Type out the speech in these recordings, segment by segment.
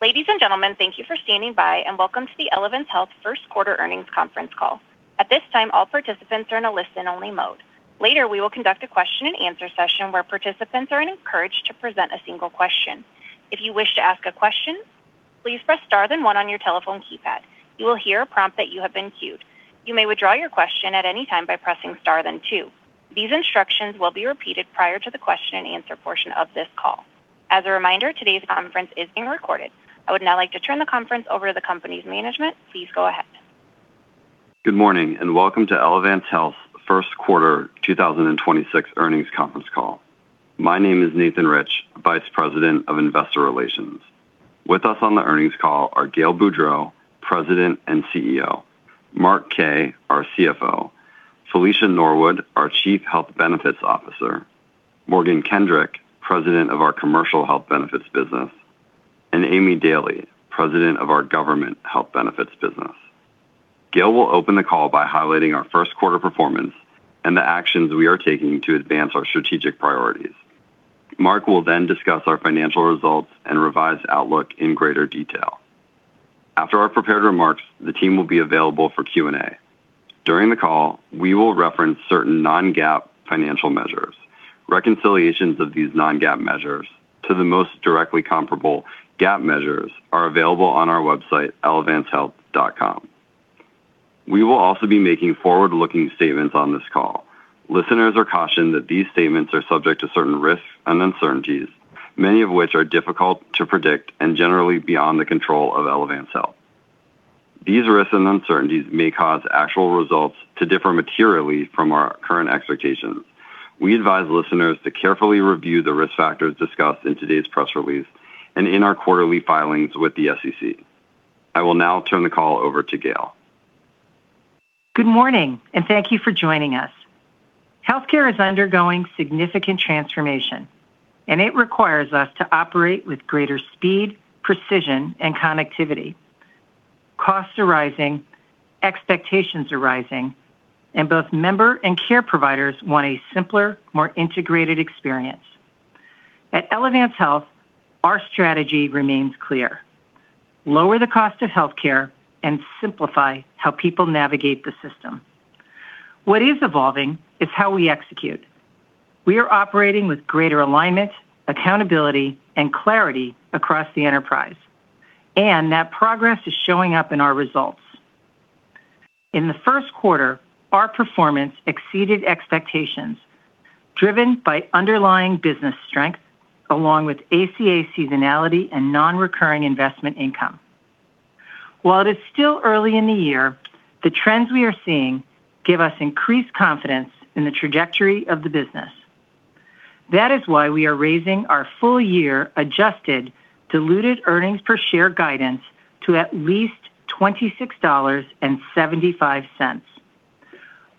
Ladies and gentlemen, thank you for standing by, and welcome to the Elevance Health first quarter earnings conference call. At this time, all participants are in a listen-only mode. Later, we will conduct a question-and-answer session where participants are encouraged to present a single question. If you wish to ask a question, please press star then one on your telephone keypad. You will hear a prompt that you have been queued. You may withdraw your question at any time by pressing star then two. These instructions will be repeated prior to the question-and-answer portion of this call. As a reminder, today's conference is being recorded. I would now like to turn the conference over to the company's management. Please go ahead. Good morning, and welcome to Elevance Health's first quarter 2026 earnings conference call. My name is Nathan Rich, Vice President of Investor Relations. With us on the earnings call are Gail Boudreaux, President and CEO, Mark Kaye, our CFO, Felicia Norwood, our Chief Health Benefits Officer, Morgan Kendrick, President of our Commercial Health Benefits Business, and Aimée Dailey, President of our Government Health Benefits Business. Gail will open the call by highlighting our first quarter performance and the actions we are taking to advance our strategic priorities. Mark will then discuss our financial results and revised outlook in greater detail. After our prepared remarks, the team will be available for Q&A. During the call, we will reference certain non-GAAP financial measures. Reconciliations of these non-GAAP measures to the most directly comparable GAAP measures are available on our website, elevancehealth.com. We will also be making forward-looking statements on this call. Listeners are cautioned that these statements are subject to certain risks and uncertainties, many of which are difficult to predict and generally beyond the control of Elevance Health. These risks and uncertainties may cause actual results to differ materially from our current expectations. We advise listeners to carefully review the risk factors discussed in today's press release and in our quarterly filings with the SEC. I will now turn the call over to Gail. Good morning, and thank you for joining us. Healthcare is undergoing significant transformation, and it requires us to operate with greater speed, precision, and connectivity. Costs are rising, expectations are rising, and both member and care providers want a simpler, more integrated experience. At Elevance Health, our strategy remains clear: lower the cost of healthcare and simplify how people navigate the system. What is evolving is how we execute. We are operating with greater alignment, accountability, and clarity across the enterprise, and that progress is showing up in our results. In the first quarter, our performance exceeded expectations, driven by underlying business strength, along with ACA seasonality and non-recurring investment income. While it is still early in the year, the trends we are seeing give us increased confidence in the trajectory of the business. That is why we are raising our full-year adjusted diluted earnings per share guidance to at least $26.75.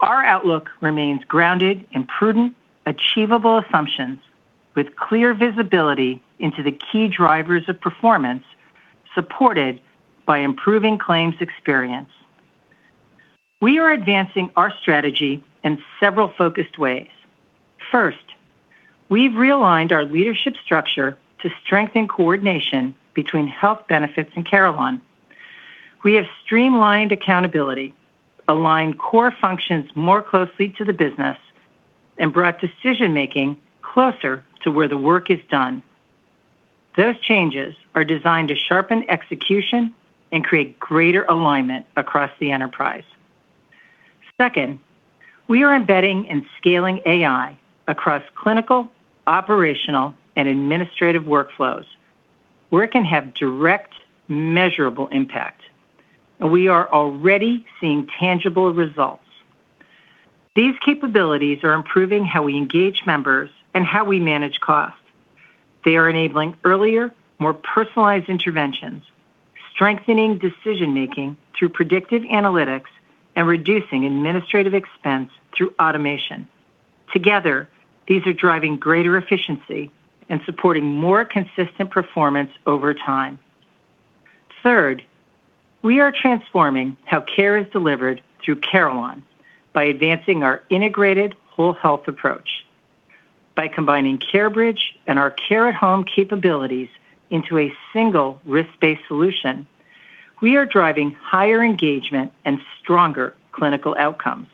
Our outlook remains grounded in prudent, achievable assumptions with clear visibility into the key drivers of performance, supported by improving claims experience. We are advancing our strategy in several focused ways. First, we've realigned our leadership structure to strengthen coordination between health benefits and Carelon. We have streamlined accountability, aligned core functions more closely to the business, and brought decision-making closer to where the work is done. Those changes are designed to sharpen execution and create greater alignment across the enterprise. Second, we are embedding and scaling AI across clinical, operational, and administrative workflows where it can have direct, measurable impact, and we are already seeing tangible results. These capabilities are improving how we engage members and how we manage costs. They are enabling earlier, more personalized interventions, strengthening decision-making through predictive analytics, and reducing administrative expense through automation. Together, these are driving greater efficiency and supporting more consistent performance over time. Third, we are transforming how care is delivered through Carelon by advancing our integrated whole health approach. By combining CareBridge and our care at home capabilities into a single risk-based solution, we are driving higher engagement and stronger clinical outcomes.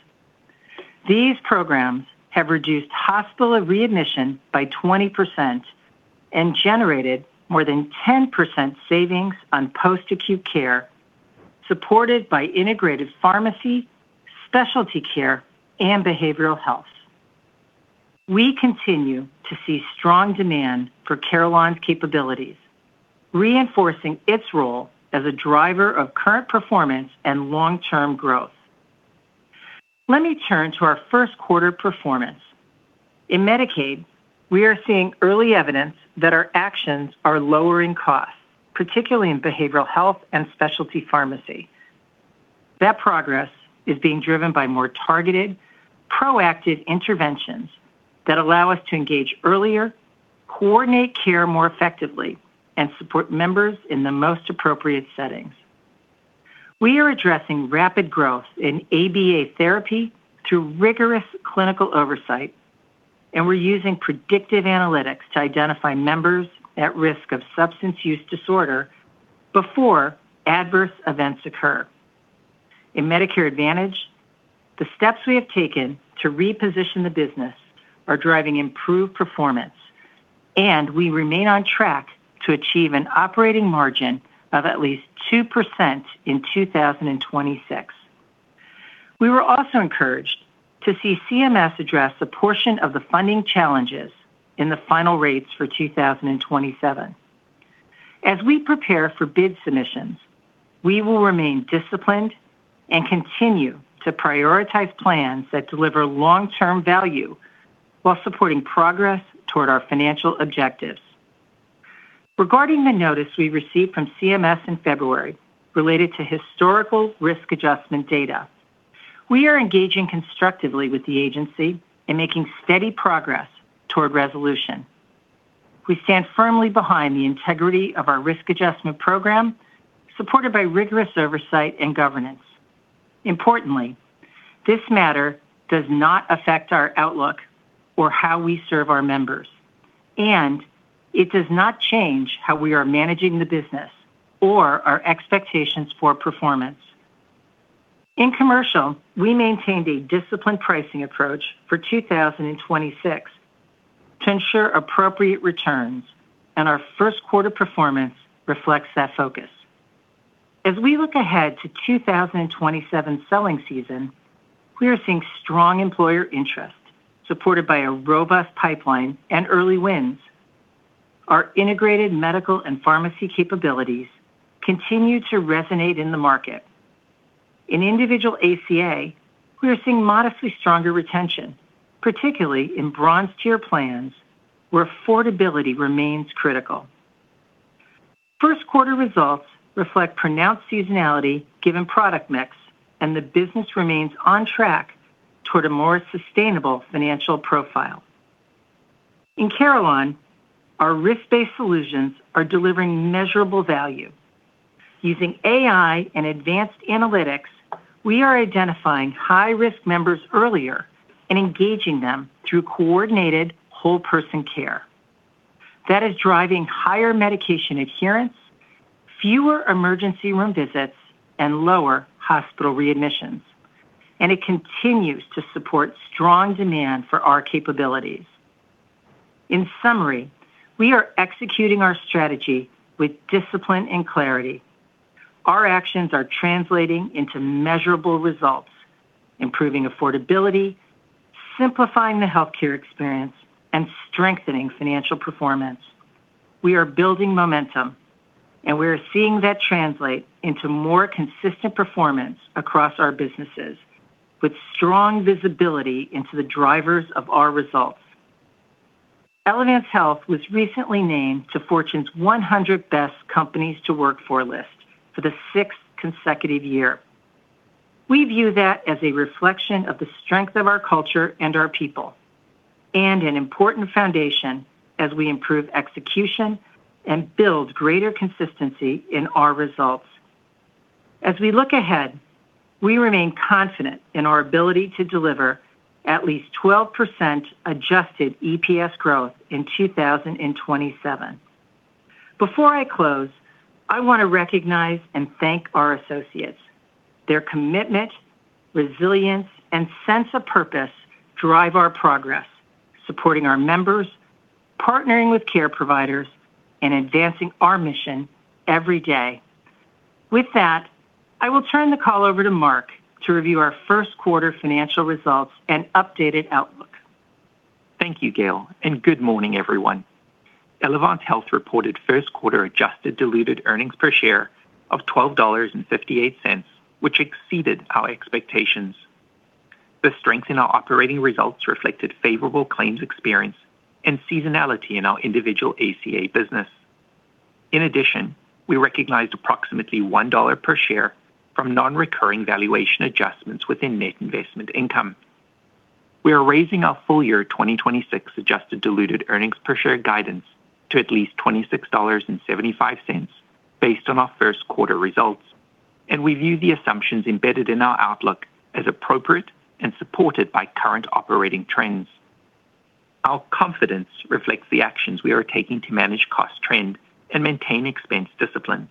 These programs have reduced hospital readmission by 20% and generated more than 10% savings on post-acute care, supported by integrated pharmacy, specialty care, and behavioral health. We continue to see strong demand for Carelon's capabilities, reinforcing its role as a driver of current performance and long-term growth. Let me turn to our first quarter performance. In Medicaid, we are seeing early evidence that our actions are lowering costs, particularly in behavioral health and specialty pharmacy. That progress is being driven by more targeted, proactive interventions that allow us to engage earlier, coordinate care more effectively, and support members in the most appropriate settings. We are addressing rapid growth in ABA therapy through rigorous clinical oversight and we're using predictive analytics to identify members at risk of substance use disorder before adverse events occur. In Medicare Advantage, the steps we have taken to reposition the business are driving improved performance, and we remain on track to achieve an operating margin of at least 2% in 2026. We were also encouraged to see CMS address a portion of the funding challenges in the final rates for 2027. As we prepare for bid submissions, we will remain disciplined and continue to prioritize plans that deliver long-term value while supporting progress toward our financial objectives. Regarding the notice we received from CMS in February related to historical risk adjustment data, we are engaging constructively with the agency in making steady progress toward resolution. We stand firmly behind the integrity of our risk adjustment program, supported by rigorous oversight and governance. Importantly, this matter does not affect our outlook or how we serve our members, and it does not change how we are managing the business or our expectations for performance. In commercial, we maintained a disciplined pricing approach for 2026 to ensure appropriate returns, and our first quarter performance reflects that focus. As we look ahead to 2027 selling season, we are seeing strong employer interest, supported by a robust pipeline and early wins. Our integrated medical and pharmacy capabilities continue to resonate in the market. In individual ACA, we are seeing modestly stronger retention, particularly in bronze tier plans where affordability remains critical. First quarter results reflect pronounced seasonality given product mix, and the business remains on track toward a more sustainable financial profile. In Carelon, our risk-based solutions are delivering measurable value. Using AI and advanced analytics, we are identifying high-risk members earlier and engaging them through coordinated whole-person care. That is driving higher medication adherence, fewer emergency room visits, and lower hospital readmissions, and it continues to support strong demand for our capabilities. In summary, we are executing our strategy with discipline and clarity. Our actions are translating into measurable results, improving affordability, simplifying the healthcare experience, and strengthening financial performance. We are building momentum, and we are seeing that translate into more consistent performance across our businesses with strong visibility into the drivers of our results. Elevance Health was recently named to Fortune's 100 Best Companies to Work For list for the sixth consecutive year. We view that as a reflection of the strength of our culture and our people, and an important foundation as we improve execution and build greater consistency in our results. As we look ahead, we remain confident in our ability to deliver at least 12% adjusted EPS growth in 2027. Before I close, I want to recognize and thank our associates. Their commitment, resilience, and sense of purpose drive our progress, supporting our members, partnering with care providers, and advancing our mission every day. With that, I will turn the call over to Mark to review our first quarter financial results and updated outlook. Thank you, Gail, and good morning, everyone. Elevance Health reported first quarter adjusted diluted earnings per share of $12.58, which exceeded our expectations. The strength in our operating results reflected favorable claims experience and seasonality in our individual ACA business. In addition, we recognized approximately $1 per share from non-recurring valuation adjustments within net investment income. We are raising our full year 2026 adjusted diluted earnings per share guidance to at least $26.75 based on our first quarter results, and we view the assumptions embedded in our outlook as appropriate and supported by current operating trends. Our confidence reflects the actions we are taking to manage cost trend and maintain expense discipline.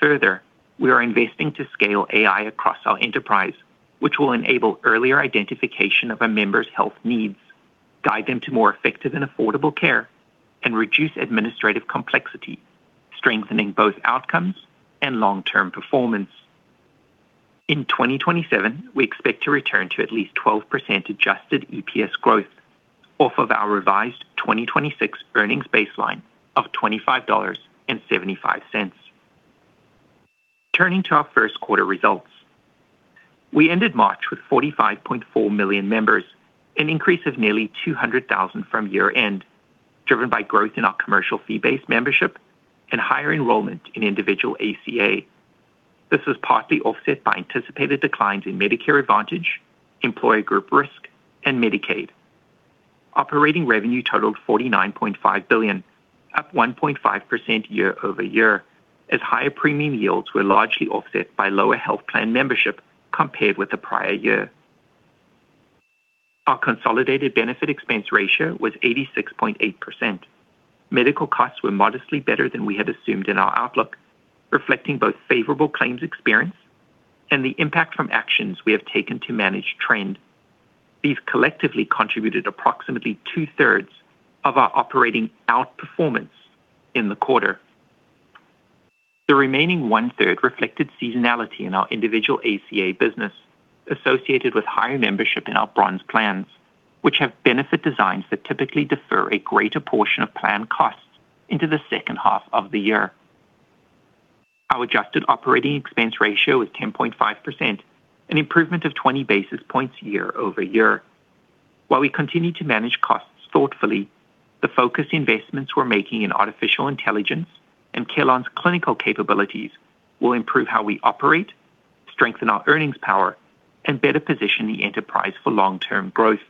Further, we are investing to scale AI across our enterprise, which will enable earlier identification of a member's health needs, guide them to more effective and affordable care, and reduce administrative complexity, strengthening both outcomes and long-term performance. In 2027, we expect to return to at least 12% adjusted EPS growth off of our revised 2026 earnings baseline of $25.75. Turning to our first quarter results, we ended March with 45.4 million members, an increase of nearly 200,000 from year-end, driven by growth in our commercial fee-based membership and higher enrollment in individual ACA. This was partly offset by anticipated declines in Medicare Advantage, employer group risk, and Medicaid. Operating revenue totaled $49.5 billion, up 1.5% year-over-year as higher premium yields were largely offset by lower health plan membership compared with the prior year. Our consolidated benefit expense ratio was 86.8%. Medical costs were modestly better than we had assumed in our outlook, reflecting both favorable claims experience and the impact from actions we have taken to manage trend. These collectively contributed approximately 2/3 of our operating outperformance in the quarter. The remaining 1/3 reflected seasonality in our individual ACA business associated with higher membership in our bronze plans, which have benefit designs that typically defer a greater portion of plan costs into the second half of the year. Our adjusted operating expense ratio was 10.5%, an improvement of 20 basis points year-over-year. While we continue to manage costs thoughtfully, the focused investments we're making in artificial intelligence and Carelon's clinical capabilities will improve how we operate, strengthen our earnings power, and better position the enterprise for long-term growth.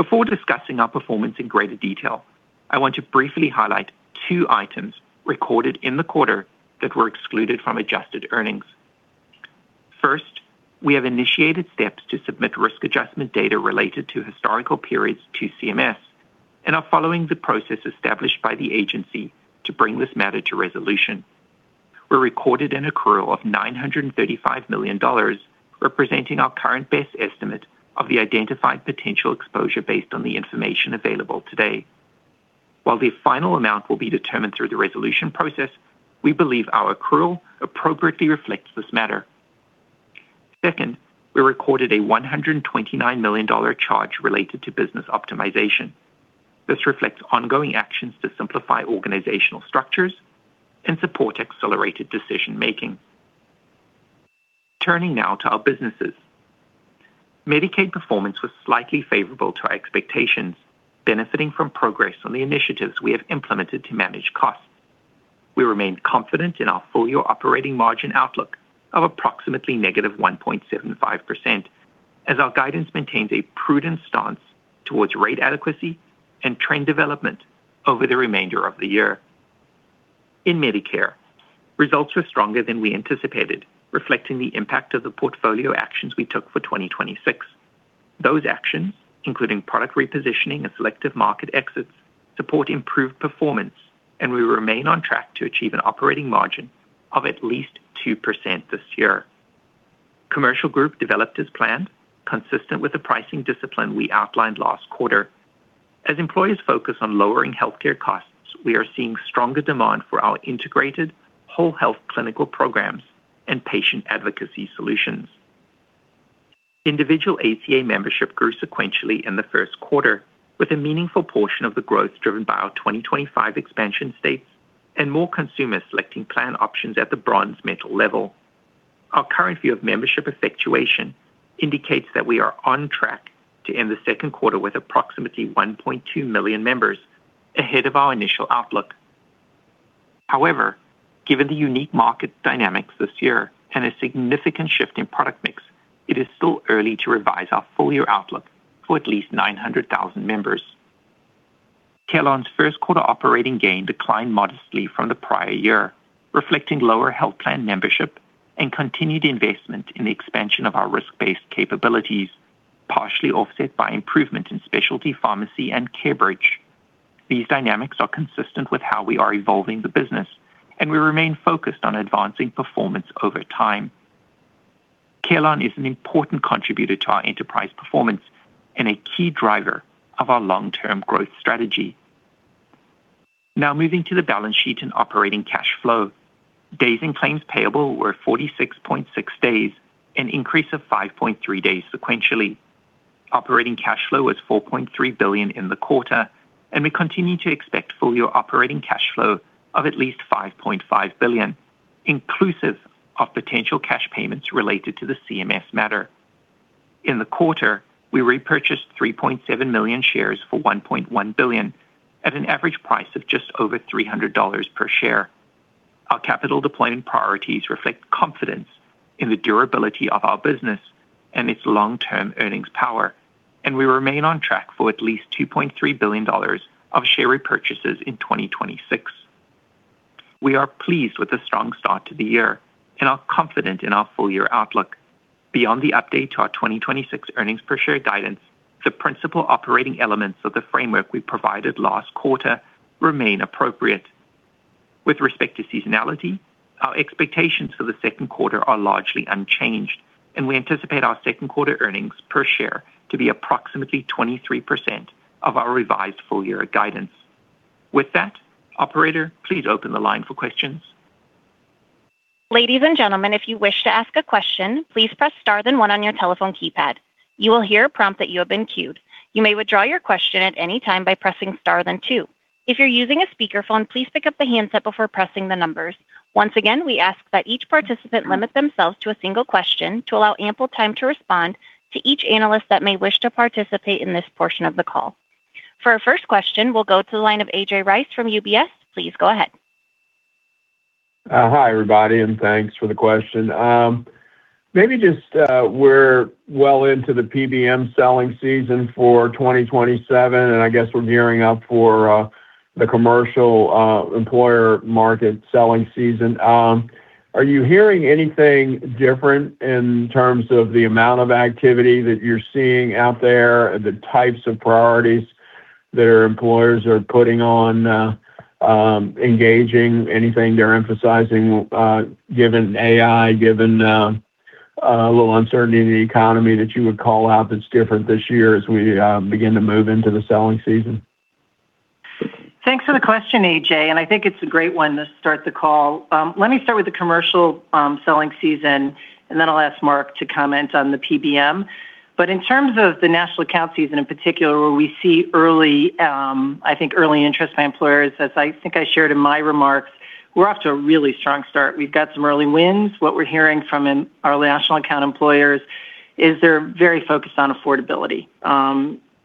Before discussing our performance in greater detail, I want to briefly highlight two items recorded in the quarter that were excluded from adjusted earnings. First, we have initiated steps to submit risk adjustment data related to historical periods to CMS and are following the process established by the agency to bring this matter to resolution. We recorded an accrual of $935 million, representing our current best estimate of the identified potential exposure based on the information available today. While the final amount will be determined through the resolution process, we believe our accrual appropriately reflects this matter. Second, we recorded a $129 million charge related to business optimization. This reflects ongoing actions to simplify organizational structures and support accelerated decision-making. Turning now to our businesses. Medicaid performance was slightly favorable to our expectations, benefiting from progress on the initiatives we have implemented to manage costs. We remain confident in our full-year operating margin outlook of approximately -1.75% as our guidance maintains a prudent stance towards rate adequacy and trend development over the remainder of the year. In Medicare, results were stronger than we anticipated, reflecting the impact of the portfolio actions we took for 2026. Those actions, including product repositioning and selective market exits, support improved performance, and we remain on track to achieve an operating margin of at least 2% this year. Commercial Group developed as planned, consistent with the pricing discipline we outlined last quarter. As employees focus on lowering healthcare costs, we are seeing stronger demand for our integrated whole health clinical programs and patient advocacy solutions. Individual ACA membership grew sequentially in the first quarter with a meaningful portion of the growth driven by our 2025 expansion states and more consumers selecting plan options at the bronze metal level. Our current view of membership effectuation indicates that we are on track to end the second quarter with approximately 1.2 million members ahead of our initial outlook. However, given the unique market dynamics this year and a significant shift in product mix, it is still early to revise our full-year outlook for at least 900,000 members. Carelon's first quarter operating gain declined modestly from the prior year, reflecting lower health plan membership and continued investment in the expansion of our risk-based capabilities, partially offset by improvement in specialty pharmacy and CareBridge. These dynamics are consistent with how we are evolving the business, and we remain focused on advancing performance over time. Carelon is an important contributor to our enterprise performance and a key driver of our long-term growth strategy. Now moving to the balance sheet and operating cash flow. Days in claims payable were 46.6 days, an increase of 5.3 days sequentially. Operating cash flow was $4.3 billion in the quarter, and we continue to expect full-year operating cash flow of at least $5.5 billion, inclusive of potential cash payments related to the CMS matter. In the quarter, we repurchased 3.7 million shares for $1.1 billion at an average price of just over $300 per share. Our capital deployment priorities reflect confidence in the durability of our business and its long-term earnings power, and we remain on track for at least $2.3 billion of share repurchases in 2026. We are pleased with the strong start to the year and are confident in our full-year outlook. Beyond the update to our 2026 earnings per share guidance, the principal operating elements of the framework we provided last quarter remain appropriate. With respect to seasonality, our expectations for the second quarter are largely unchanged, and we anticipate our second quarter earnings per share to be approximately 23% of our revised full-year guidance. With that, operator, please open the line for questions. Ladies and gentlemen, if you wish to ask a question, please press star then one on your telephone keypad. You will hear a prompt that you have been queued. You may withdraw your question at any time by pressing star then two. If you're using a speakerphone, please pick up the handset before pressing the numbers. Once again, we ask that each participant limit themselves to a single question to allow ample time to respond to each analyst that may wish to participate in this portion of the call. For our first question, we'll go to the line of A.J. Rice from UBS. Please go ahead. Hi everybody, and thanks for the question. We're well into the PBM selling season for 2027, and I guess we're gearing up for the commercial employer market selling season. Are you hearing anything different in terms of the amount of activity that you're seeing out there, the types of priorities that our employers are putting on engaging, anything they're emphasizing given AI, given a little uncertainty in the economy that you would call out that's different this year as we begin to move into the selling season? Thanks for the question, A.J., and I think it's a great one to start the call. Let me start with the commercial selling season, and then I'll ask Mark to comment on the PBM. In terms of the national account season in particular, where we see early interest by employers, as I think I shared in my remarks, we're off to a really strong start. We've got some early wins. What we're hearing from our national account employers is they're very focused on affordability.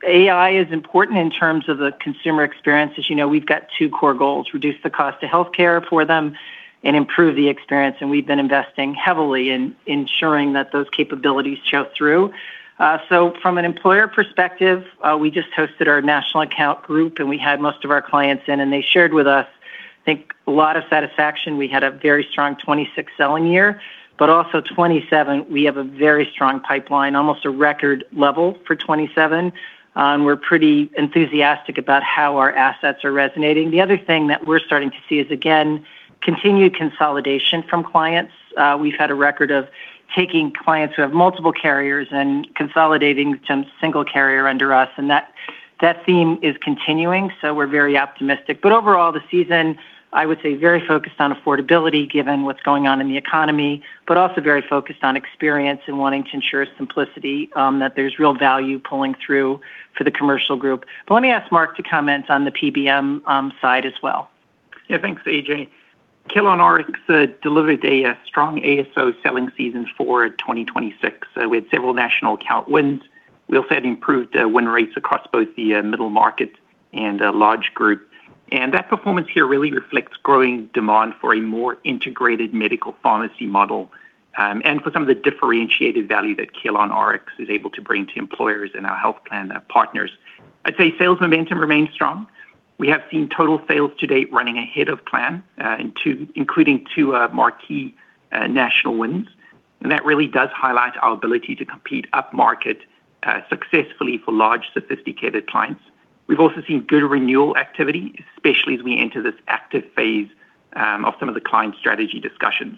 AI is important in terms of the consumer experience. As you know, we've got two core goals, reduce the cost of healthcare for them and improve the experience, and we've been investing heavily in ensuring that those capabilities show through. From an employer perspective, we just hosted our national account group, and we had most of our clients in, and they shared with us, I think, a lot of satisfaction. We had a very strong 2026 selling year, but also 2027, we have a very strong pipeline, almost a record level for 2027. We're pretty enthusiastic about how our assets are resonating. The other thing that we're starting to see is, again, continued consolidation from clients. We've had a record of taking clients who have multiple carriers and consolidating to a single carrier under us, and that theme is continuing, so we're very optimistic. Overall, the season, I would say, very focused on affordability given what's going on in the economy, but also very focused on experience and wanting to ensure simplicity, that there's real value pulling through for the commercial group. Let me ask Mark to comment on the PBM side as well. Yeah, thanks, A.J. CarelonRx delivered a strong ASO selling season for 2026 with several national account wins. We also had improved win rates across both the middle market and large group. That performance here really reflects growing demand for a more integrated medical pharmacy model for some of the differentiated value that CarelonRx is able to bring to employers and our health plan partners. I'd say sales momentum remains strong. We have seen total sales to date running ahead of plan including two marquee national wins, and that really does highlight our ability to compete upmarket successfully for large, sophisticated clients. We've also seen good renewal activity, especially as we enter this active phase of some of the client strategy discussions.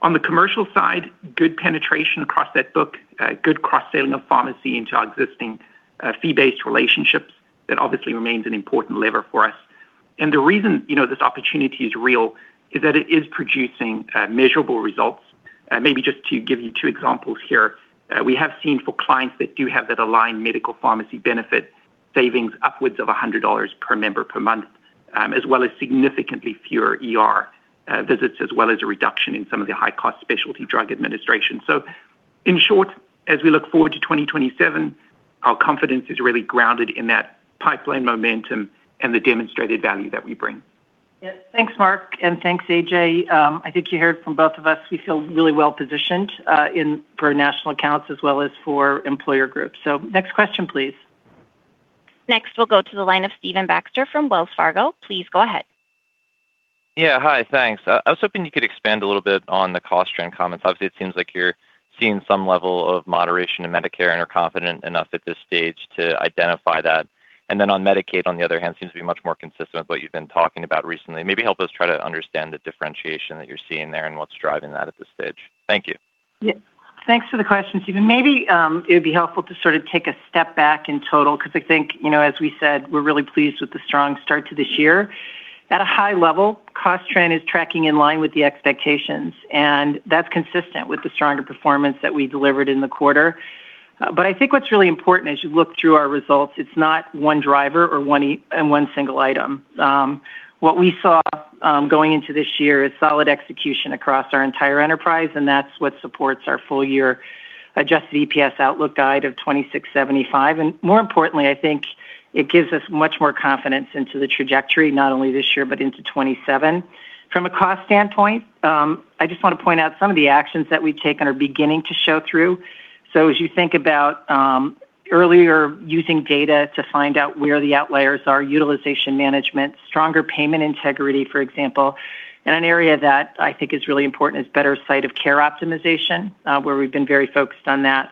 On the commercial side, good penetration across that book, good cross-selling of pharmacy into our existing fee-based relationships. That obviously remains an important lever for us. The reason this opportunity is real is that it is producing measurable results. Maybe just to give you two examples here. We have seen for clients that do have that aligned medical pharmacy benefit savings upwards of $100 per member per month, as well as significantly fewer ER visits, as well as a reduction in some of the high-cost specialty drug administration. In short, as we look forward to 2027, our confidence is really grounded in that pipeline momentum and the demonstrated value that we bring. Yeah. Thanks, Mark, and thanks, A.J. I think you heard from both of us, we feel really well-positioned for national accounts as well as for employer groups. Next question, please. Next, we'll go to the line of Stephen Baxter from Wells Fargo. Please go ahead. Yeah. Hi, thanks. I was hoping you could expand a little bit on the cost trend comments. Obviously, it seems like you're seeing some level of moderation in Medicare and are confident enough at this stage to identify that. On Medicaid, on the other hand, seems to be much more consistent with what you've been talking about recently. Maybe help us try to understand the differentiation that you're seeing there and what's driving that at this stage. Thank you. Yeah. Thanks for the question, Stephen. Maybe it would be helpful to sort of take a step back in total because I think, as we said, we're really pleased with the strong start to this year. At a high level, cost trend is tracking in line with the expectations, and that's consistent with the stronger performance that we delivered in the quarter. But I think what's really important as you look through our results, it's not one driver and one single item. What we saw going into this year is solid execution across our entire enterprise, and that's what supports our full-year adjusted EPS outlook guide of $26.75. More importantly, I think it gives us much more confidence into the trajectory, not only this year, but into 2027. From a cost standpoint, I just want to point out some of the actions that we've taken are beginning to show through. As you think about earlier using data to find out where the outliers are, utilization management, stronger payment integrity, for example, and an area that I think is really important is better site of care optimization, where we've been very focused on that.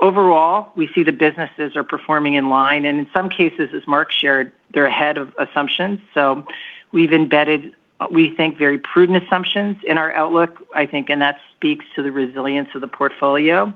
Overall, we see the businesses are performing in line, and in some cases, as Mark shared, they're ahead of assumptions. We've embedded, we think, very prudent assumptions in our outlook, I think, and that speaks to the resilience of the portfolio.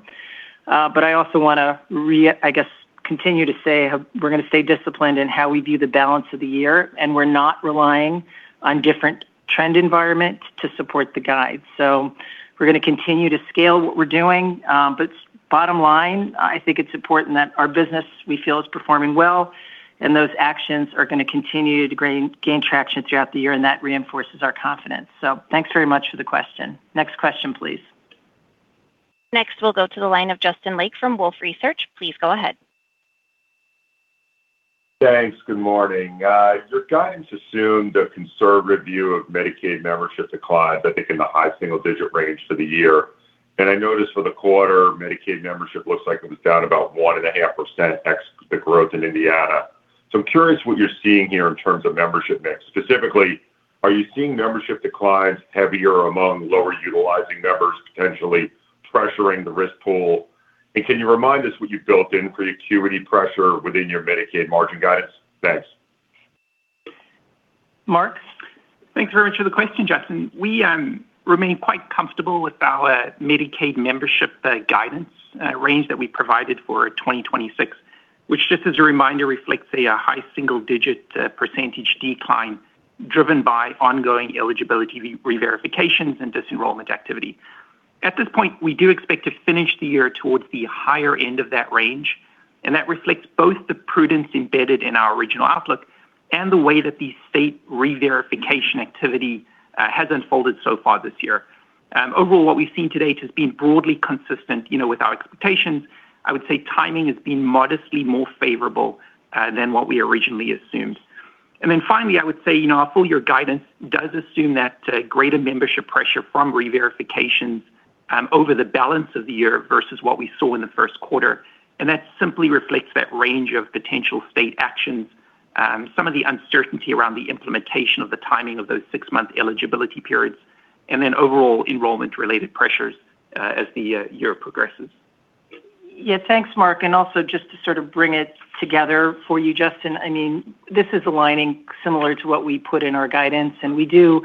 I also want to, I guess, continue to say we're going to stay disciplined in how we view the balance of the year, and we're not relying on different trend environment to support the guide. We're going to continue to scale what we're doing, but bottom line, I think it's important that our business, we feel, is performing well, and those actions are going to continue to gain traction throughout the year, and that reinforces our confidence. Thanks very much for the question. Next question, please. Next, we'll go to the line of Justin Lake from Wolfe Research. Please go ahead. Thanks. Good morning. Your guidance assumed a conservative view of Medicaid membership declines, I think in the high single-digit range for the year. I noticed for the quarter, Medicaid membership looks like it was down about 1.5% ex the growth in Indiana. I'm curious what you're seeing here in terms of membership mix. Specifically, are you seeing membership declines heavier among lower utilizing members, potentially pressuring the risk pool? Can you remind us what you've built in for acuity pressure within your Medicaid margin guidance? Thanks. Thanks very much for the question, Justin. We remain quite comfortable with our Medicaid membership guidance range that we provided for 2026, which, just as a reminder, reflects a high single-digit % decline driven by ongoing eligibility reverifications and disenrollment activity. At this point, we do expect to finish the year towards the higher end of that range, and that reflects both the prudence embedded in our original outlook and the way that the state reverification activity has unfolded so far this year. Overall, what we've seen to date has been broadly consistent with our expectations. I would say timing has been modestly more favorable than what we originally assumed. Then finally, I would say, our full-year guidance does assume that greater membership pressure from reverifications over the balance of the year versus what we saw in the first quarter. That simply reflects that range of potential state actions, some of the uncertainty around the implementation of the timing of those six-month eligibility periods, and then overall enrollment related pressures as the year progresses. Yeah. Thanks, Mark. Also, just to sort of bring it together for you, Justin, this is aligning similar to what we put in our guidance, and we do,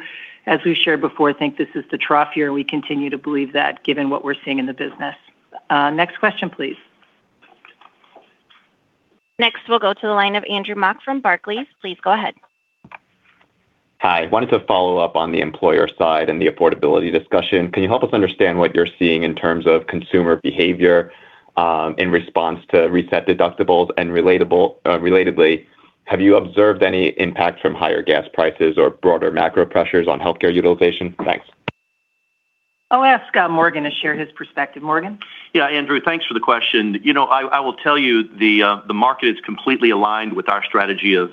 as we've shared before, think this is the trough year, we continue to believe that given what we're seeing in the business. Next question, please. Next, we'll go to the line of Andrew Mok from Barclays. Please go ahead. Hi. I wanted to follow up on the employer side and the affordability discussion. Can you help us understand what you're seeing in terms of consumer behavior in response to reset deductibles, and relatedly, have you observed any impact from higher gas prices or broader macro pressures on healthcare utilization? Thanks. I'll ask Morgan to share his perspective. Morgan? Yeah. Andrew, thanks for the question. I will tell you the market is completely aligned with our strategy of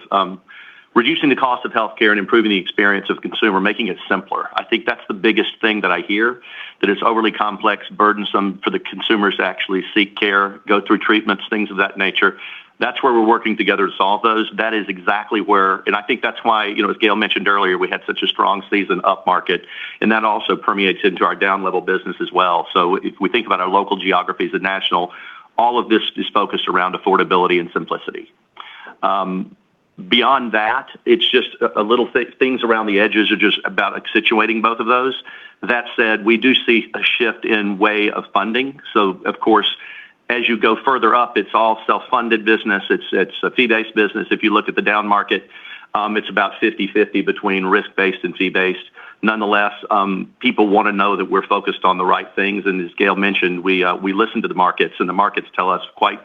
reducing the cost of healthcare and improving the experience of consumer, making it simpler. I think that's the biggest thing that I hear, that it's overly complex, burdensome for the consumers to actually seek care, go through treatments, things of that nature. That's where we're working together to solve those. That is exactly where. I think that's why, as Gail mentioned earlier, we had such a strong season upmarket, and that also permeates into our down-level business as well. If we think about our local geographies and national, all of this is focused around affordability and simplicity. Beyond that, it's just little things around the edges are just about situating both of those. That said, we do see a shift in way of funding. Of course, as you go further up, it's all self-funded business. It's a fee-based business. If you look at the downmarket, it's about 50/50 between risk-based and fee-based. Nonetheless, people want to know that we're focused on the right things, and as Gail mentioned, we listen to the markets, and the markets tell us quite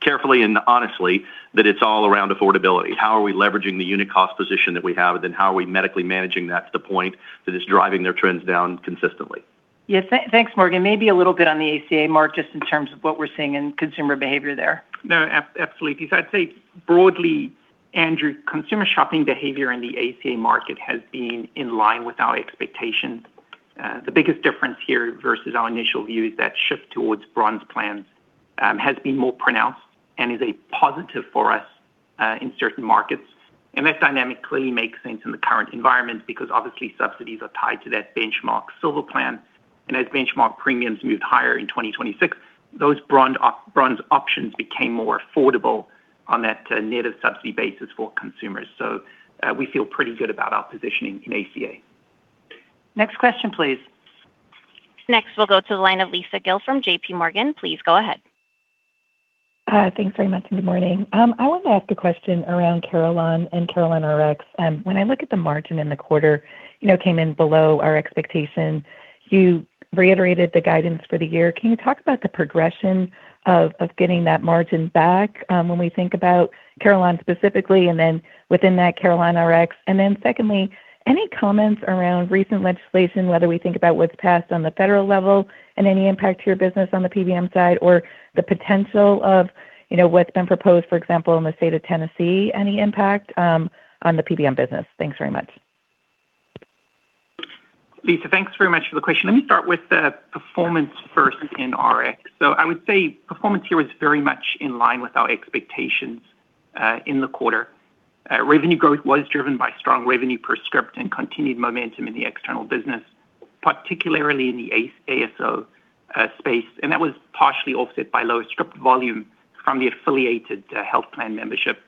carefully and honestly that it's all around affordability. How are we leveraging the unit cost position that we have, and then how are we medically managing that to the point that it's driving their trends down consistently? Yeah. Thanks, Morgan. Maybe a little bit on the ACA market just in terms of what we're seeing in consumer behavior there. No, absolutely. I'd say broadly, Andrew, consumer shopping behavior in the ACA market has been in line with our expectations. The biggest difference here versus our initial view is that shift towards bronze plans has been more pronounced and is a positive for us in certain markets. That dynamically makes sense in the current environment because obviously subsidies are tied to that benchmark silver plan, and as benchmark premiums moved higher in 2026, those bronze options became more affordable on that native subsidy basis for consumers. We feel pretty good about our positioning in ACA. Next question, please. Next, we'll go to the line of Lisa Gill from JPMorgan. Please go ahead. Thanks very much, and good morning. I wanted to ask a question around Carelon and CarelonRx. When I look at the margin in the quarter, came in below our expectation. You reiterated the guidance for the year. Can you talk about the progression of getting that margin back when we think about Carelon specifically, and then within that, CarelonRx? Secondly, any comments around recent legislation, whether we think about what's passed on the federal level and any impact to your business on the PBM side or the potential of what's been proposed, for example, in the state of Tennessee, any impact on the PBM business? Thanks very much. Lisa, thanks very much for the question. Let me start with the performance first in Rx. I would say performance here was very much in line with our expectations in the quarter. Revenue growth was driven by strong revenue per script and continued momentum in the external business, particularly in the ASO space, and that was partially offset by lower script volume from the affiliated health plan membership.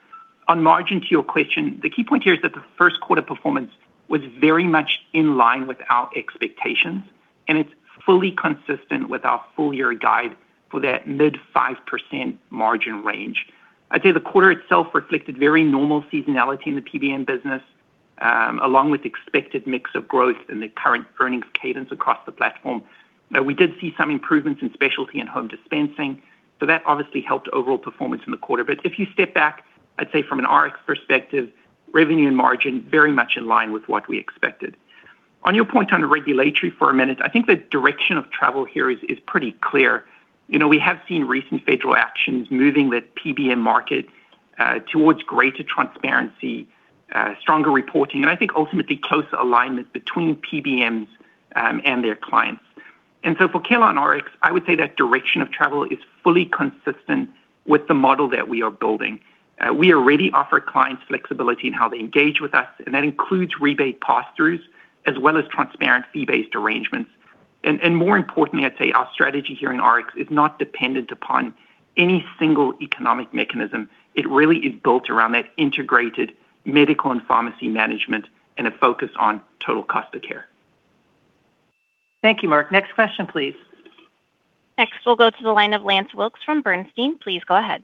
On margin to your question, the key point here is that the first quarter performance was very much in line with our expectations, and it's fully consistent with our full-year guide for that mid 5% margin range. I'd say the quarter itself reflected very normal seasonality in the PBM business, along with expected mix of growth in the current earnings cadence across the platform. Now, we did see some improvements in specialty and home dispensing, so that obviously helped overall performance in the quarter. But if you step back, I'd say from an Rx perspective, revenue and margin very much in line with what we expected. On your point on regulatory for a minute, I think the direction of travel here is pretty clear. We have seen recent federal actions moving the PBM market towards greater transparency, stronger reporting, and I think ultimately closer alignment between PBMs and their clients. For CarelonRx, I would say that direction of travel is fully consistent with the model that we are building. We already offer clients flexibility in how they engage with us, and that includes rebate pass-throughs as well as transparent fee-based arrangements. More importantly, I'd say our strategy here in RX is not dependent upon any single economic mechanism. It really is built around that integrated medical and pharmacy management and a focus on total cost of care. Thank you, Mark. Next question please. Next, we'll go to the line of Lance Wilkes from Bernstein. Please go ahead.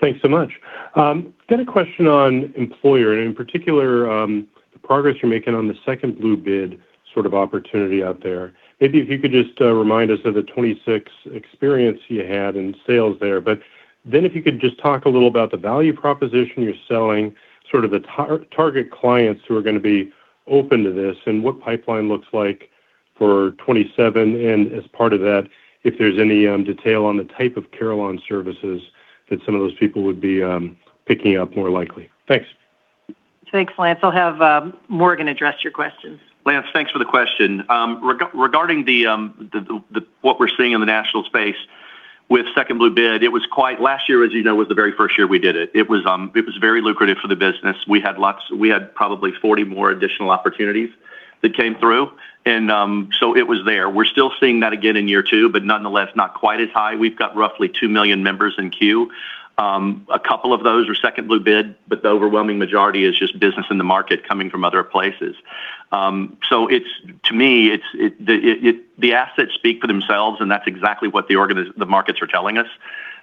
Thanks so much. I've got a question on employer, and in particular, the progress you're making on the second Blue bid sort of opportunity out there. Maybe if you could just remind us of the 2026 experience you had and sales there. If you could just talk a little about the value proposition you're selling, sort of the target clients who are going to be open to this, and what pipeline looks like for 2027, and as part of that, if there's any detail on the type of Carelon services that some of those people would be picking up more likely. Thanks. Thanks, Lance. I'll have Morgan address your questions. Lance, thanks for the question. Regarding what we're seeing in the national space with second Blue bid, last year, as you know, was the very first year we did it. It was very lucrative for the business. We had probably 40 more additional opportunities that came through, and so it was there. We're still seeing that again in year two, but nonetheless, not quite as high. We've got roughly 2 million members in queue. A couple of those were second Blue bid, but the overwhelming majority is just business in the market coming from other places. To me, the assets speak for themselves, and that's exactly what the markets are telling us.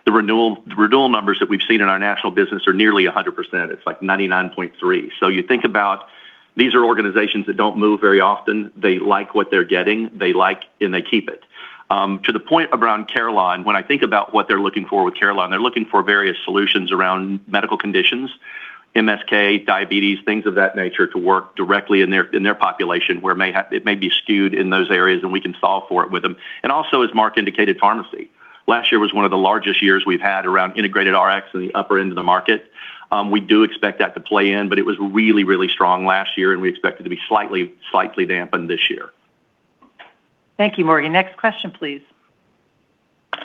The renewal numbers that we've seen in our national business are nearly 100%. It's like 99.3%. You think about, these are organizations that don't move very often. They like what they're getting. They like, and they keep it. To the point around Carelon, when I think about what they're looking for with Carelon, they're looking for various solutions around medical conditions, MSK, diabetes, things of that nature, to work directly in their population, where it may be skewed in those areas, and we can solve for it with them. Also, as Mark indicated, pharmacy. Last year was one of the largest years we've had around integrated Rx in the upper end of the market. We do expect that to play in, but it was really, really strong last year, and we expect it to be slightly dampened this year. Thank you, Morgan. Next question, please.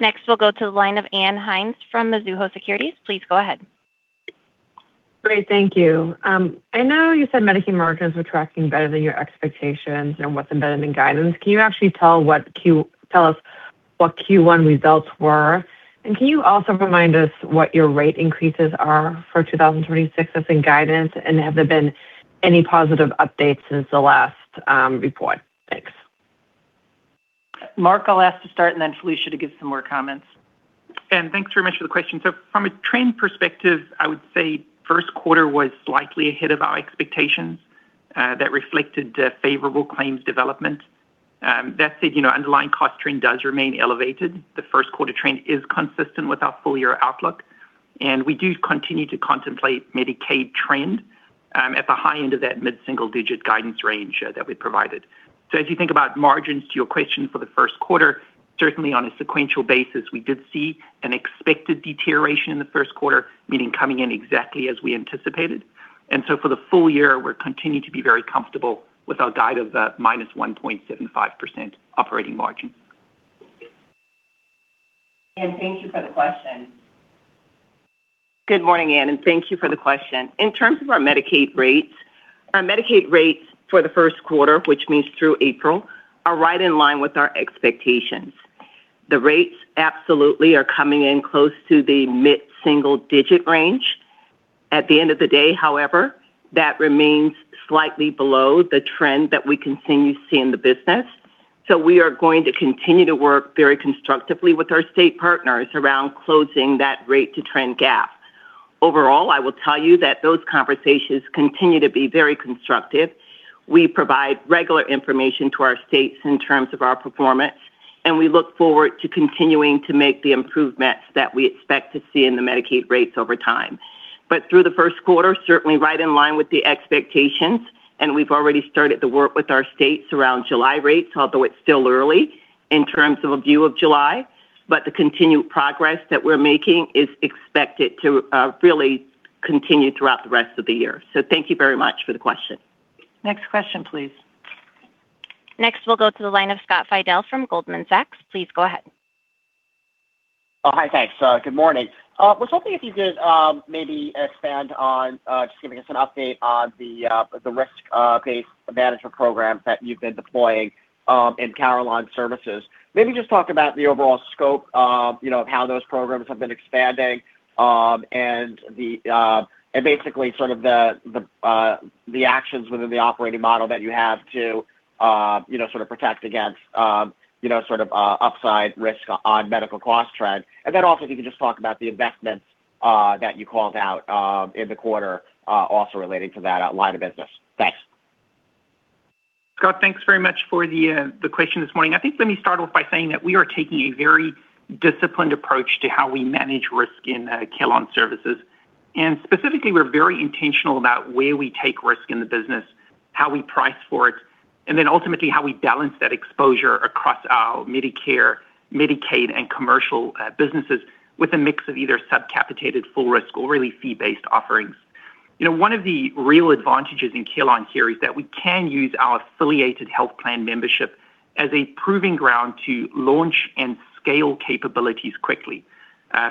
Next, we'll go to the line of Ann Hynes from Mizuho Securities. Please go ahead. Great. Thank you. I know you said Medicare margins were tracking better than your expectations and what's embedded in guidance. Can you actually tell us what Q1 results were? Can you also remind us what your rate increases are for 2026 as in guidance, and have there been any positive updates since the last report? Thanks. Mark, I'll ask you to start and then Felicia to give some more comments. Ann, thanks very much for the question. From a trend perspective, I would say first quarter was slightly ahead of our expectations. That reflected favorable claims development. That said, underlying cost trend does remain elevated. The first quarter trend is consistent with our full-year outlook, and we do continue to contemplate Medicaid trend at the high end of that mid-single digit guidance range that we provided. As you think about margins, to your question, for the first quarter, certainly on a sequential basis, we did see an expected deterioration in the first quarter, meaning coming in exactly as we anticipated. For the full year, we continue to be very comfortable with our guide of that -1.75% operating margin. Ann, thank you for the question. Good morning, Ann, and thank you for the question. In terms of our Medicaid rates, our Medicaid rates for the first quarter, which means through April, are right in line with our expectations. The rates absolutely are coming in close to the mid-single-digit range. At the end of the day, however, that remains slightly below the trend that we continue to see in the business. We are going to continue to work very constructively with our state partners around closing that rate to trend gap. Overall, I will tell you that those conversations continue to be very constructive. We provide regular information to our states in terms of our performance, and we look forward to continuing to make the improvements that we expect to see in the Medicaid rates over time. Through the first quarter, certainly right in line with the expectations, and we've already started to work with our states around July rates, although it's still early in terms of a view of July. The continued progress that we're making is expected to really continue throughout the rest of the year. Thank you very much for the question. Next question, please. Next, we'll go to the line of Scott Fidel from Goldman Sachs. Please go ahead. Oh, hi. Thanks. Good morning. Was hoping if you could maybe expand on just giving us an update on the risk-based management programs that you've been deploying in Carelon services. Maybe just talk about the overall scope of how those programs have been expanding and basically sort of the actions within the operating model that you have to sort of protect against upside risk on medical cost trend. Then also, if you could just talk about the investments that you called out in the quarter also relating to that line of business. Thanks. Scott, thanks very much for the question this morning. I think let me start off by saying that we are taking a very disciplined approach to how we manage risk in Carelon Services. Specifically, we're very intentional about where we take risk in the business, how we price for it, and then ultimately how we balance that exposure across our Medicare, Medicaid, and commercial businesses with a mix of either sub-capitated full risk or really fee-based offerings. One of the real advantages in Carelon here is that we can use our affiliated health plan membership as a proving ground to launch and scale capabilities quickly.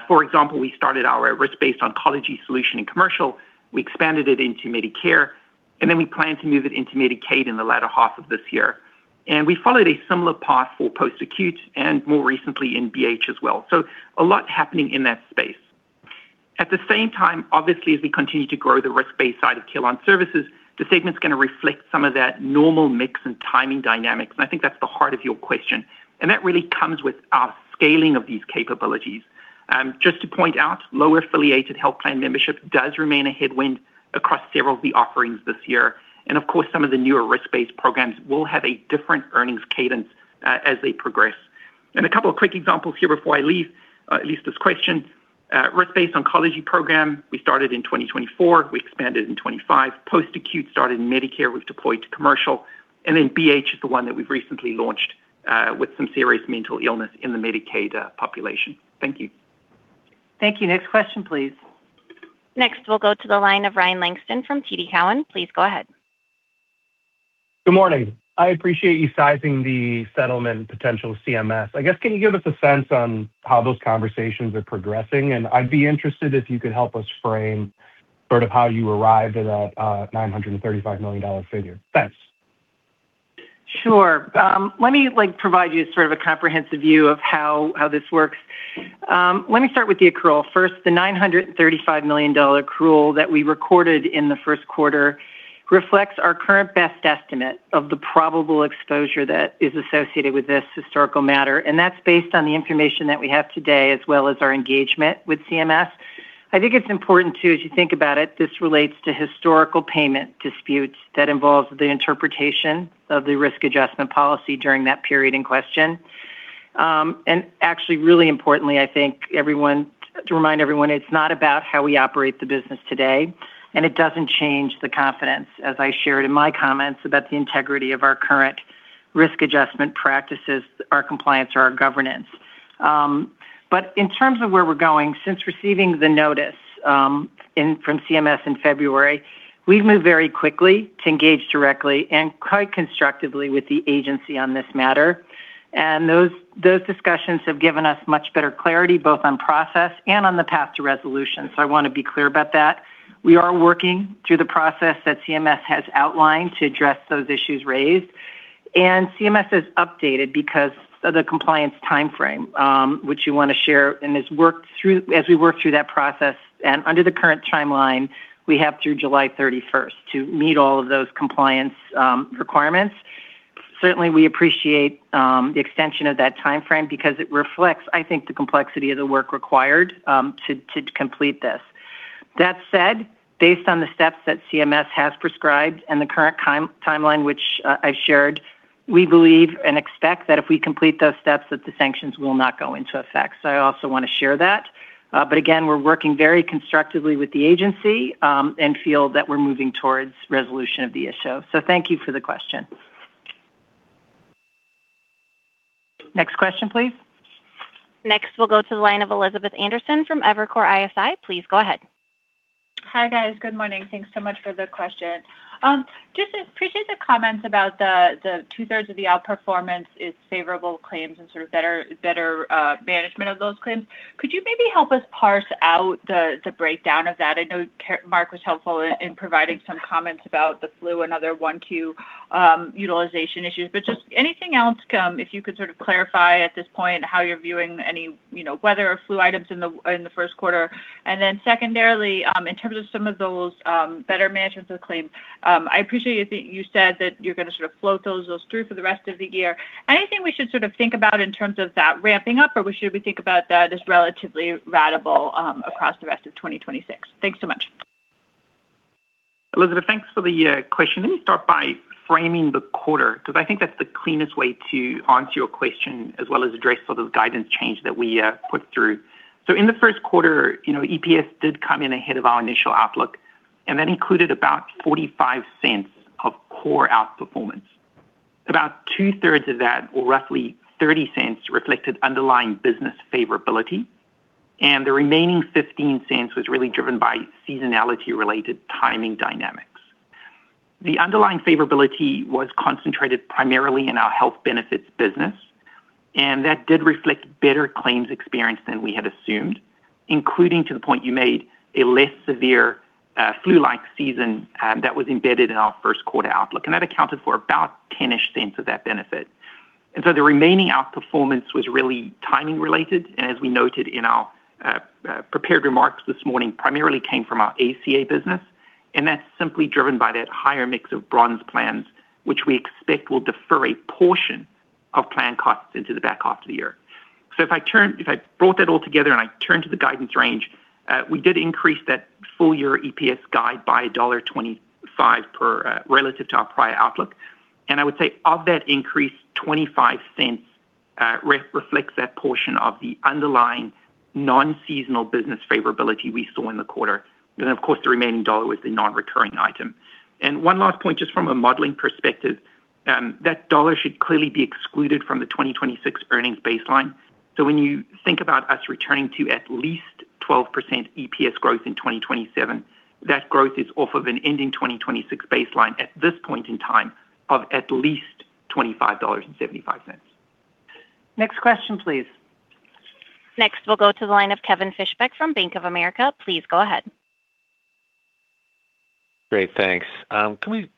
For example, we started our risk-based oncology solution in commercial. We expanded it into Medicare, and then we plan to move it into Medicaid in the latter half of this year. We followed a similar path for post-acute and more recently in BH as well. A lot happening in that space. At the same time, obviously, as we continue to grow the risk-based side of Carelon Services, the segment's going to reflect some of that normal mix and timing dynamics, and I think that's the heart of your question. That really comes with our scaling of these capabilities. Just to point out, lower affiliated health plan membership does remain a headwind across several of the offerings this year. Of course, some of the newer risk-based programs will have a different earnings cadence as they progress. A couple of quick examples here before I leave this question. Risk-based oncology program, we started in 2024, we expanded in 2025. Post-acute started in Medicare, we've deployed to commercial, and then BH is the one that we've recently launched with some serious mental illness in the Medicaid population. Thank you. Thank you. Next question, please. Next, we'll go to the line of Ryan Langston from TD Cowen. Please go ahead. Good morning. I appreciate you sizing the settlement potential with CMS. I guess, can you give us a sense on how those conversations are progressing? I'd be interested if you could help us frame sort of how you arrived at that $935 million figure. Thanks. Sure. Let me provide you a sort of a comprehensive view of how this works. Let me start with the accrual first. The $935 million accrual that we recorded in the first quarter reflects our current best estimate of the probable exposure that is associated with this historical matter, and that's based on the information that we have today, as well as our engagement with CMS. I think it's important too, as you think about it, this relates to historical payment disputes that involves the interpretation of the risk adjustment policy during that period in question. Actually, really importantly, I think to remind everyone, it's not about how we operate the business today, and it doesn't change the confidence, as I shared in my comments, about the integrity of our current risk adjustment practices, our compliance, or our governance. In terms of where we're going, since receiving the notice from CMS in February, we've moved very quickly to engage directly and quite constructively with the agency on this matter. Those discussions have given us much better clarity, both on process and on the path to resolution. I want to be clear about that. We are working through the process that CMS has outlined to address those issues raised, and CMS has updated because of the compliance timeframe, which we want to share. As we work through that process and under the current timeline, we have through July 31st to meet all of those compliance requirements. Certainly, we appreciate the extension of that timeframe because it reflects, I think, the complexity of the work required to complete this. That said, based on the steps that CMS has prescribed and the current timeline which I've shared, we believe and expect that if we complete those steps, that the sanctions will not go into effect. I also want to share that. Again, we're working very constructively with the agency and feel that we're moving towards resolution of the issue. Thank you for the question. Next question, please. Next, we'll go to the line of Elizabeth Anderson from Evercore ISI. Please go ahead. Hi, guys. Good morning. Thanks so much for the question. Just appreciate the comments about the 2/3 of the outperformance is favorable claims and sort of better management of those claims. Could you maybe help us parse out the breakdown of that? I know Mark was helpful in providing some comments about the flu and other 1Q utilization issues. Just anything else, if you could sort of clarify at this point how you're viewing any weather or flu items in the first quarter. Then secondarily, in terms of some of those better management of the claims, I appreciate you said that you're going to sort of float those through for the rest of the year. Anything we should sort of think about in terms of that ramping up, or should we think about that as relatively ratable across the rest of 2026? Thanks so much. Elizabeth, thanks for the question. Let me start by framing the quarter because I think that's the cleanest way to answer your question as well as address sort of guidance change that we put through. In the first quarter, EPS did come in ahead of our initial outlook, and that included about $0.45 of core outperformance. About 2/3 of that, or roughly $0.30, reflected underlying business favorability, and the remaining $0.15 was really driven by seasonality-related timing dynamics. The underlying favorability was concentrated primarily in our health benefits business, and that did reflect better claims experience than we had assumed, including to the point you made, a less severe flu-like season that was embedded in our first quarter outlook. That accounted for about $0.10-ish of that benefit. The remaining outperformance was really timing related, and as we noted in our prepared remarks this morning, primarily came from our ACA business, and that's simply driven by that higher mix of bronze plans, which we expect will defer a portion of plan costs into the back half of the year. If I brought that all together and I turn to the guidance range, we did increase that full year EPS guide by $1.25 per share relative to our prior outlook. I would say of that increase, $0.25 reflects that portion of the underlying non-seasonal business favorability we saw in the quarter. Of course, the remaining $1 was the non-recurring item. One last point, just from a modeling perspective, that $1 should clearly be excluded from the 2026 earnings baseline. When you think about us returning to at least 12% EPS growth in 2027, that growth is off of an ending 2026 baseline at this point in time of at least $25.75. Next question, please. Next, we'll go to the line of Kevin Fischbeck from Bank of America. Please go ahead. Great, thanks. Can we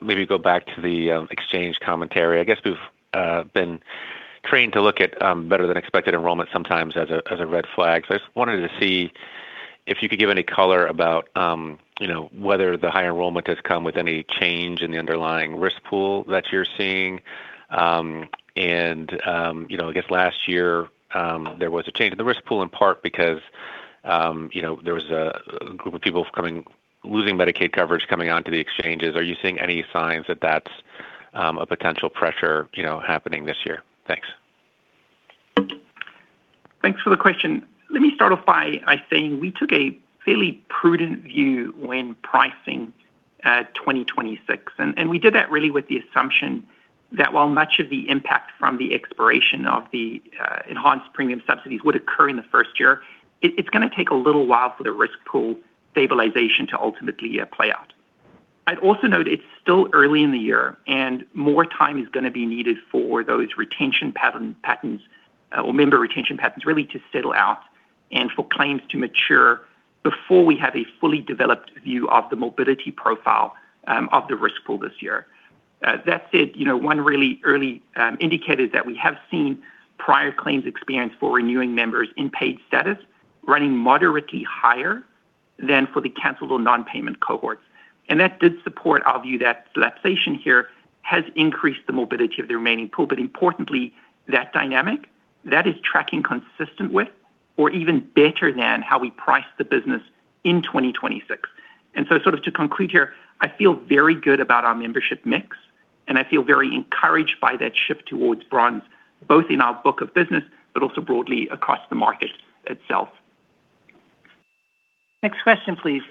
maybe go back to the exchange commentary? I guess we've been trained to look at better-than-expected enrollment sometimes as a red flag. I just wanted to see if you could give any color about whether the high enrollment has come with any change in the underlying risk pool that you're seeing. I guess last year there was a change in the risk pool, in part because there was a group of people losing Medicaid coverage coming onto the exchanges. Are you seeing any signs that that's a potential pressure happening this year? Thanks. Thanks for the question. Let me start off by saying we took a fairly prudent view when pricing 2026, and we did that really with the assumption that while much of the impact from the expiration of the enhanced premium subsidies would occur in the first year, it's going to take a little while for the risk pool stabilization to ultimately play out. I'd also note it's still early in the year, and more time is going to be needed for those retention patterns or member retention patterns really to settle out and for claims to mature before we have a fully developed view of the morbidity profile of the risk pool this year. That said, one really early indicator is that we have seen prior claims experience for renewing members in paid status running moderately higher than for the canceled or non-payment cohorts. That did support our view that lapsation here has increased the morbidity of the remaining pool. Importantly, that dynamic, that is tracking consistent with or even better than how we priced the business in 2026. Sort of to conclude here, I feel very good about our membership mix, and I feel very encouraged by that shift towards bronze, both in our book of business, but also broadly across the market itself. Next question, please.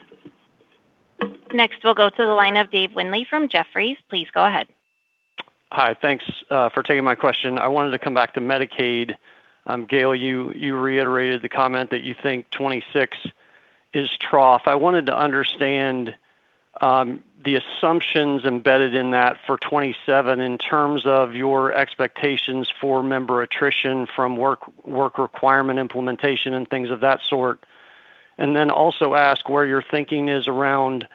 Next, we'll go to the line of Dave Windley from Jefferies. Please go ahead. Hi. Thanks for taking my question. I wanted to come back to Medicaid. Gail, you reiterated the comment that you think 2026 is trough. I wanted to understand the assumptions embedded in that for 2027 in terms of your expectations for member attrition from work requirement implementation and things of that sort, and then also ask where your thinking is around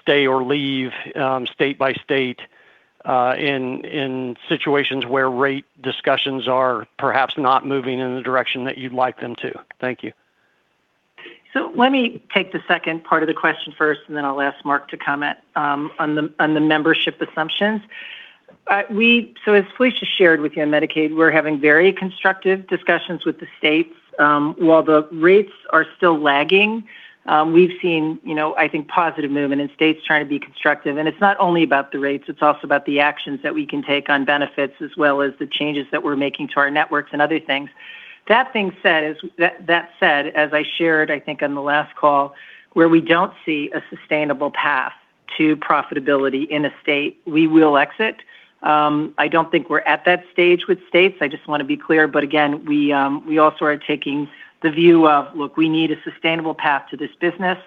stay or leave state by state in situations where rate discussions are perhaps not moving in the direction that you'd like them to. Thank you. Let me take the second part of the question first, and then I'll ask Mark to comment on the membership assumptions. As Felicia shared with you, on Medicaid, we're having very constructive discussions with the states. While the rates are still lagging, we've seen, I think, positive movement in states trying to be constructive. It's not only about the rates, it's also about the actions that we can take on benefits as well as the changes that we're making to our networks and other things. That said, as I shared, I think on the last call, where we don't see a sustainable path to profitability in a state, we will exit. I don't think we're at that stage with states. I just want to be clear, but again, we also are taking the view of, look, we need a sustainable path to this business.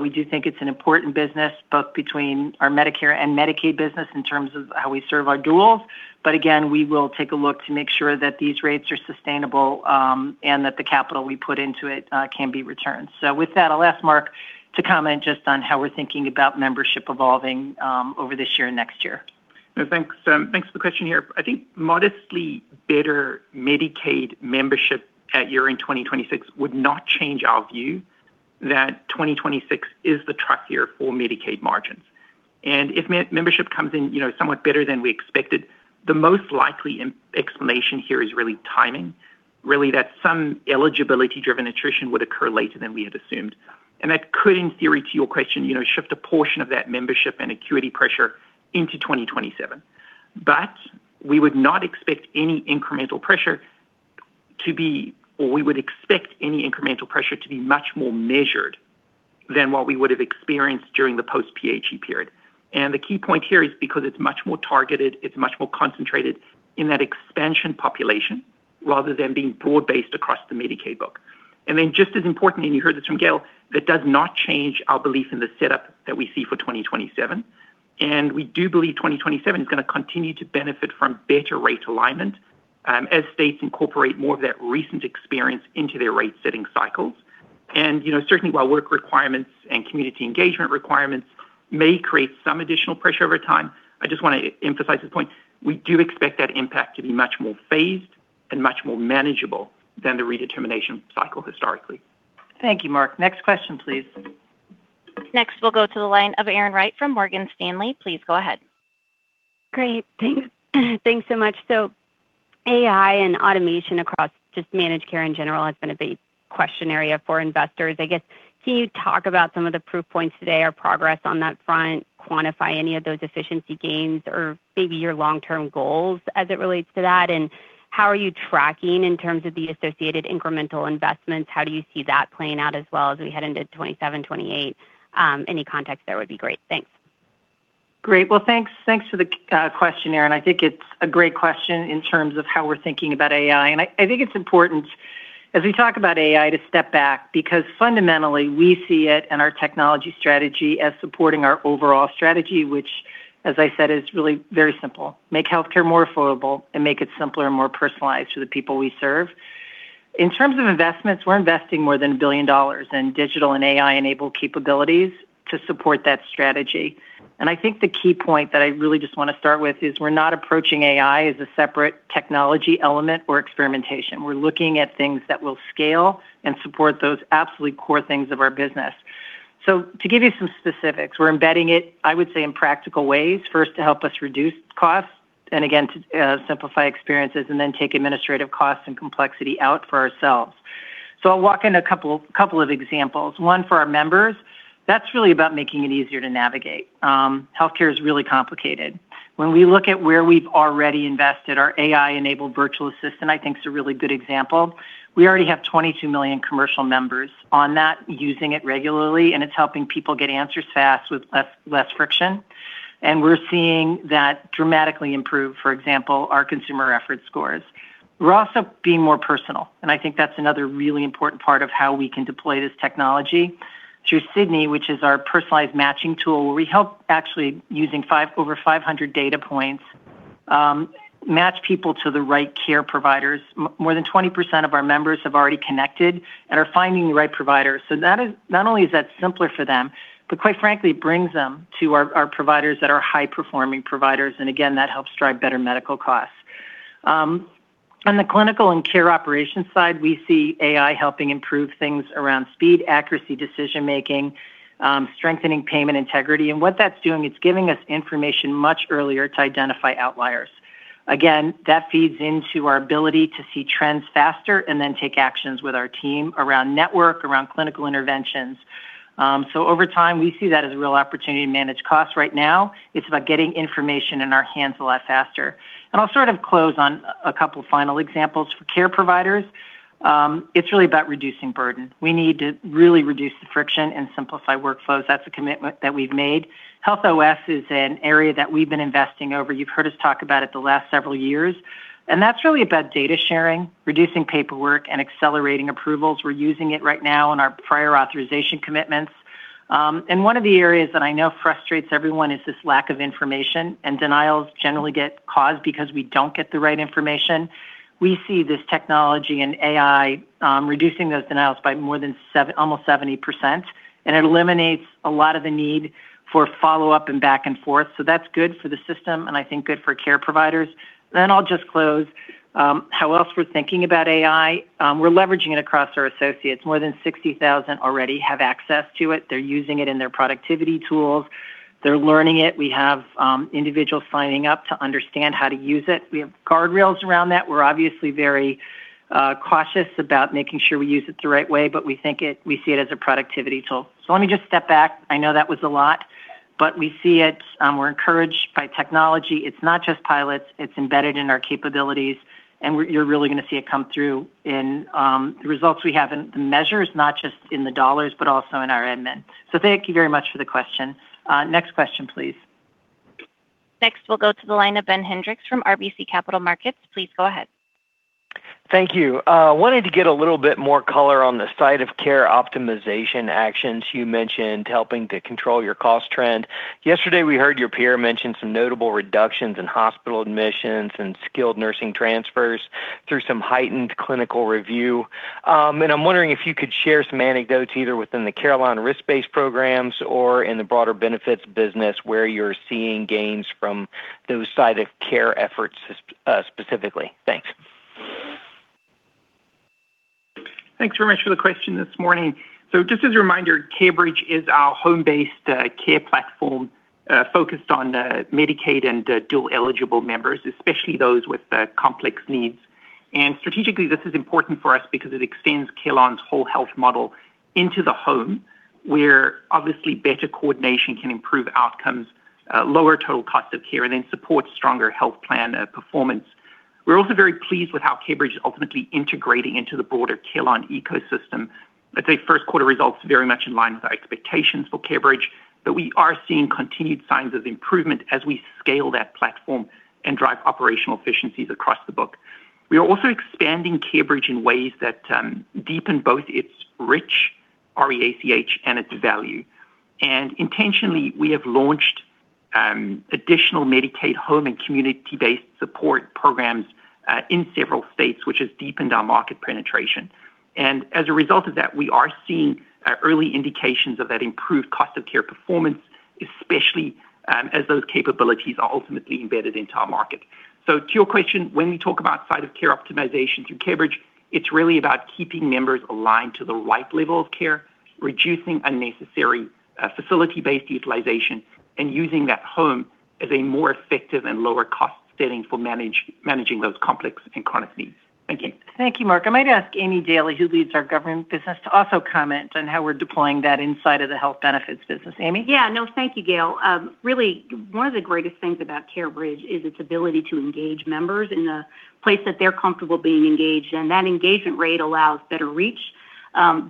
We do think it's an important business, both between our Medicare and Medicaid business in terms of how we serve our duals. Again, we will take a look to make sure that these rates are sustainable, and that the capital we put into it can be returned. With that, I'll ask Mark to comment just on how we're thinking about membership evolving over this year and next year. Thanks for the question here. I think modestly better Medicaid membership at year-end 2026 would not change our view that 2026 is the trough year for Medicaid margins. If membership comes in somewhat better than we expected, the most likely explanation here is really timing, really that some eligibility-driven attrition would occur later than we had assumed. That could, in theory, to your question, shift a portion of that membership and acuity pressure into 2027. We would expect any incremental pressure to be much more measured than what we would have experienced during the post-PHE period. The key point here is, because it's much more targeted, it's much more concentrated in that expansion population rather than being broad-based across the Medicaid book. Then just as important, and you heard this from Gail, that does not change our belief in the setup that we see for 2027. We do believe 2027 is going to continue to benefit from better rate alignment as states incorporate more of that recent experience into their rate-setting cycles. Certainly, while work requirements and community engagement requirements may create some additional pressure over time, I just want to emphasize this point, we do expect that impact to be much more phased and much more manageable than the redetermination cycle historically. Thank you, Mark. Next question, please. Next, we'll go to the line of Erin Wright from Morgan Stanley. Please go ahead. Great. Thanks so much. AI and automation across just managed care in general has been a big question area for investors. I guess, can you talk about some of the proof points today or progress on that front, quantify any of those efficiency gains or maybe your long-term goals as it relates to that, and how are you tracking in terms of the associated incremental investments? How do you see that playing out as well as we head into 2027, 2028? Any context there would be great. Thanks. Great. Well, thanks for the question, Erin. I think it's a great question in terms of how we're thinking about AI. I think it's important as we talk about AI to step back, because fundamentally, we see it and our technology strategy as supporting our overall strategy, which, as I said, is really very simple, make healthcare more affordable and make it simpler and more personalized to the people we serve. In terms of investments, we're investing more than $1 billion in digital and AI-enabled capabilities to support that strategy. I think the key point that I really just want to start with is we're not approaching AI as a separate technology element or experimentation. We're looking at things that will scale and support those absolutely core things of our business. To give you some specifics, we're embedding it, I would say, in practical ways. First, to help us reduce costs, and again, to simplify experiences, and then take administrative costs and complexity out for ourselves. I'll walk through a couple of examples. One for our members, that's really about making it easier to navigate. Healthcare is really complicated. When we look at where we've already invested, our AI-enabled virtual assistant, I think, is a really good example. We already have 22 million commercial members on that using it regularly, and it's helping people get answers fast with less friction. We're seeing that dramatically improve, for example, our consumer effort scores. We're also being more personal, and I think that's another really important part of how we can deploy this technology through Sydney, which is our personalized matching tool, where we help actually using over 500 data points, match people to the right care providers. More than 20% of our members have already connected and are finding the right providers. Not only is that simpler for them, but quite frankly, brings them to our providers that are high-performing providers, and again, that helps drive better medical costs. On the clinical and care operations side, we see AI helping improve things around speed, accuracy, decision-making, strengthening payment integrity. What that's doing, it's giving us information much earlier to identify outliers. Again, that feeds into our ability to see trends faster and then take actions with our team around network, around clinical interventions. Over time, we see that as a real opportunity to manage costs. Right now, it's about getting information in our hands a lot faster. I'll sort of close on a couple final examples. For care providers, it's really about reducing burden. We need to really reduce the friction and simplify workflows. That's a commitment that we've made. Health OS is an area that we've been investing in. You've heard us talk about it the last several years, and that's really about data sharing, reducing paperwork, and accelerating approvals. We're using it right now in our prior authorization commitments. One of the areas that I know frustrates everyone is this lack of information, and denials generally get caused because we don't get the right information. We see this technology and AI reducing those denials by more than almost 70%, and it eliminates a lot of the need for follow-up and back and forth. That's good for the system and I think good for care providers. I'll just close with how else we're thinking about AI. We're leveraging it across our associates. More than 60,000 already have access to it. They're using it in their productivity tools. They're learning it. We have individuals signing up to understand how to use it. We have guardrails around that. We're obviously very cautious about making sure we use it the right way, but we see it as a productivity tool. Let me just step back. I know that was a lot, but we see it. We're encouraged by technology. It's not just pilots, it's embedded in our capabilities, and you're really going to see it come through in the results we have and the measures, not just in the dollars, but also in our admin. Thank you very much for the question. Next question, please. Next, we'll go to the line of Ben Hendrix from RBC Capital Markets. Please go ahead. Thank you. Wanted to get a little bit more color on the site of care optimization actions you mentioned helping to control your cost trend. Yesterday, we heard your peer mention some notable reductions in hospital admissions and skilled nursing transfers through some heightened clinical review. I'm wondering if you could share some anecdotes, either within the Carelon risk-based programs or in the broader benefits business, where you're seeing gains from those site of care efforts specifically. Thanks. Thanks very much for the question this morning. Just as a reminder, CareBridge is our home-based care platform, focused on Medicaid and dual-eligible members, especially those with complex needs. Strategically, this is important for us because it extends Carelon's whole health model into the home, where obviously better coordination can improve outcomes, lower total cost of care, and then support stronger health plan performance. We're also very pleased with how CareBridge is ultimately integrating into the broader Carelon ecosystem. I'd say first quarter results are very much in line with our expectations for CareBridge, but we are seeing continued signs of improvement as we scale that platform and drive operational efficiencies across the book. We are also expanding CareBridge in ways that deepen both its reach, and its value. Intentionally, we have launched additional Medicaid home and community-based support programs in several states, which has deepened our market penetration. As a result of that, we are seeing early indications of that improved cost of care performance, especially as those capabilities are ultimately embedded into our market. To your question, when we talk about site of care optimization through CareBridge, it's really about keeping members aligned to the right level of care, reducing unnecessary facility-based utilization, and using that home as a more effective and lower cost setting for managing those complex and chronic needs. Thank you. Thank you, Mark. I might ask Aimée Dailey, who leads our government business, to also comment on how we're deploying that inside of the health benefits business. Aimée? Yeah. Now, thank you, Gail. Really, one of the greatest things about CareBridge is its ability to engage members in the place that they're comfortable being engaged. That engagement rate allows better reach,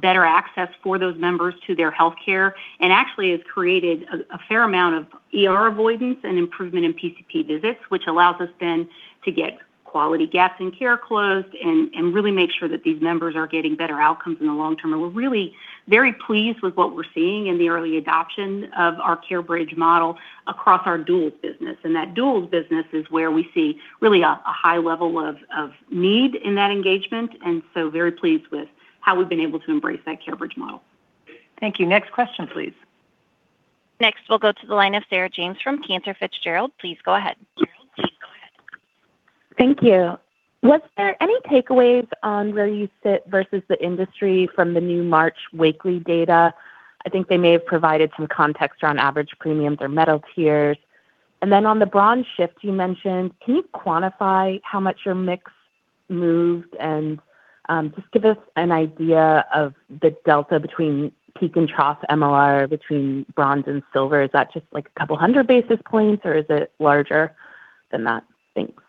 better access for those members to their healthcare, and actually has created a fair amount of ER avoidance and improvement in PCP visits, which allows us then to get quality gaps in care closed and really make sure that these members are getting better outcomes in the long term. We're really very pleased with what we're seeing in the early adoption of our CareBridge model across our dual business. That dual business is where we see really a high level of need in that engagement, and so very pleased with how we've been able to embrace that CareBridge model. Thank you. Next question, please. Next, we'll go to the line of Sarah James from Cantor Fitzgerald. Please go ahead. Thank you. Was there any takeaways on where you sit versus the industry from the new March Wakely data? I think they may have provided some context around average premiums or metal tiers. On the bronze shift you mentioned, can you quantify how much your mix moved and just give us an idea of the delta between peak and trough MLR between bronze and silver? Is that just a couple hundred basis points or is it larger than that? Thanks.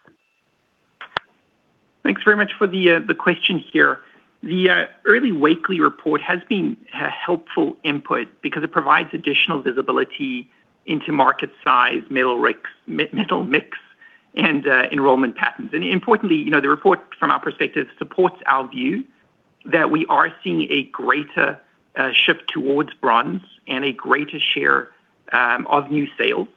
Thanks very much for the question here. The early Wakely report has been a helpful input because it provides additional visibility into market size, metal mix, and enrollment patterns. Importantly, the report from our perspective, supports our view that we are seeing a greater shift towards bronze and a greater share of new sales,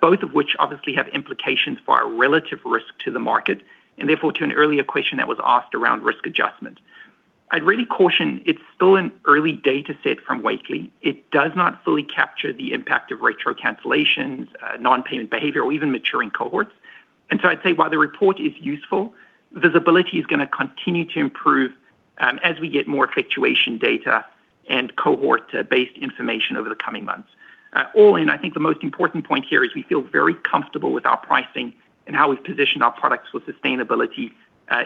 both of which obviously have implications for our relative risk to the market, and therefore to an earlier question that was asked around risk adjustment. I'd really caution, it's still an early data set from Wakely. It does not fully capture the impact of retro cancellations, non-payment behavior, or even maturing cohorts. I'd say while the report is useful, visibility is going to continue to improve as we get more fluctuation data and cohort-based information over the coming months. All in, I think the most important point here is we feel very comfortable with our pricing and how we've positioned our products with sustainability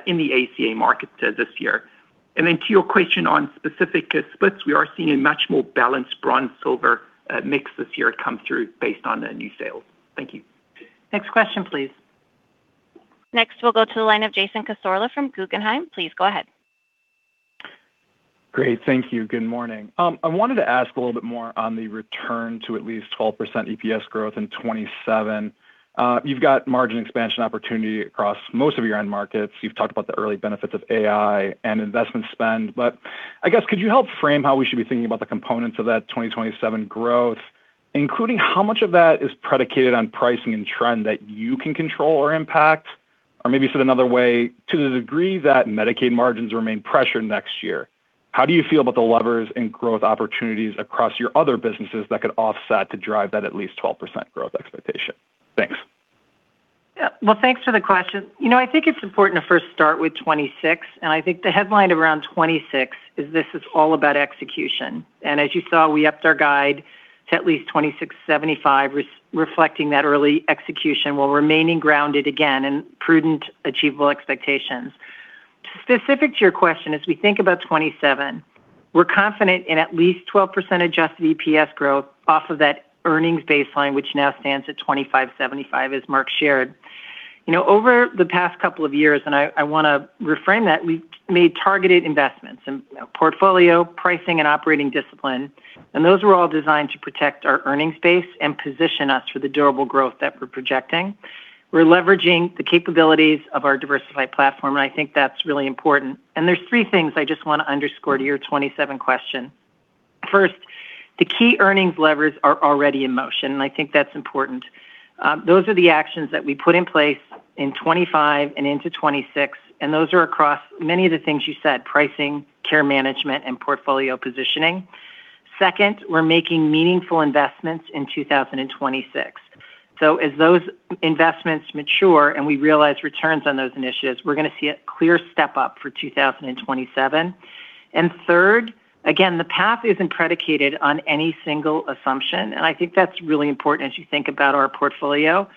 in the ACA market this year. To your question on specific splits, we are seeing a much more balanced bronze-silver mix this year come through based on the new sales. Thank you. Next question, please. Next, we'll go to the line of Jason Cassorla from Guggenheim. Please go ahead. Great. Thank you. Good morning. I wanted to ask a little bit more on the return to at least 12% EPS growth in 2027. You've got margin expansion opportunity across most of your end markets. You've talked about the early benefits of AI and investment spend, but I guess could you help frame how we should be thinking about the components of that 2027 growth, including how much of that is predicated on pricing and trend that you can control or impact? Or maybe said another way, to the degree that Medicaid margins remain pressured next year, how do you feel about the levers and growth opportunities across your other businesses that could offset to drive that at least 12% growth expectation? Thanks. Well, thanks for the question. I think it's important to first start with 2026, and I think the headline around 2026 is this is all about execution. As you saw, we upped our guide to at least 26.75, reflecting that early execution while remaining grounded again, and prudent, achievable expectations. Specific to your question, as we think about 2027, we're confident in at least 12% adjusted EPS growth off of that earnings baseline, which now stands at 25.75, as Mark shared. Over the past couple of years, and I want to reframe that, we made targeted investments in portfolio pricing and operating discipline, and those were all designed to protect our earnings base and position us for the durable growth that we're projecting. We're leveraging the capabilities of our diversified platform, and I think that's really important. There's three things I just want to underscore to your 2027 question. First, the key earnings levers are already in motion, and I think that's important. Those are the actions that we put in place in 2025 and into 2026, and those are across many of the things you said, pricing, care management, and portfolio positioning. Second, we're making meaningful investments in 2026. So as those investments mature and we realize returns on those initiatives, we're going to see a clear step up for 2027. Third, again, the path isn't predicated on any single assumption, and I think that's really important as you think about our portfolio.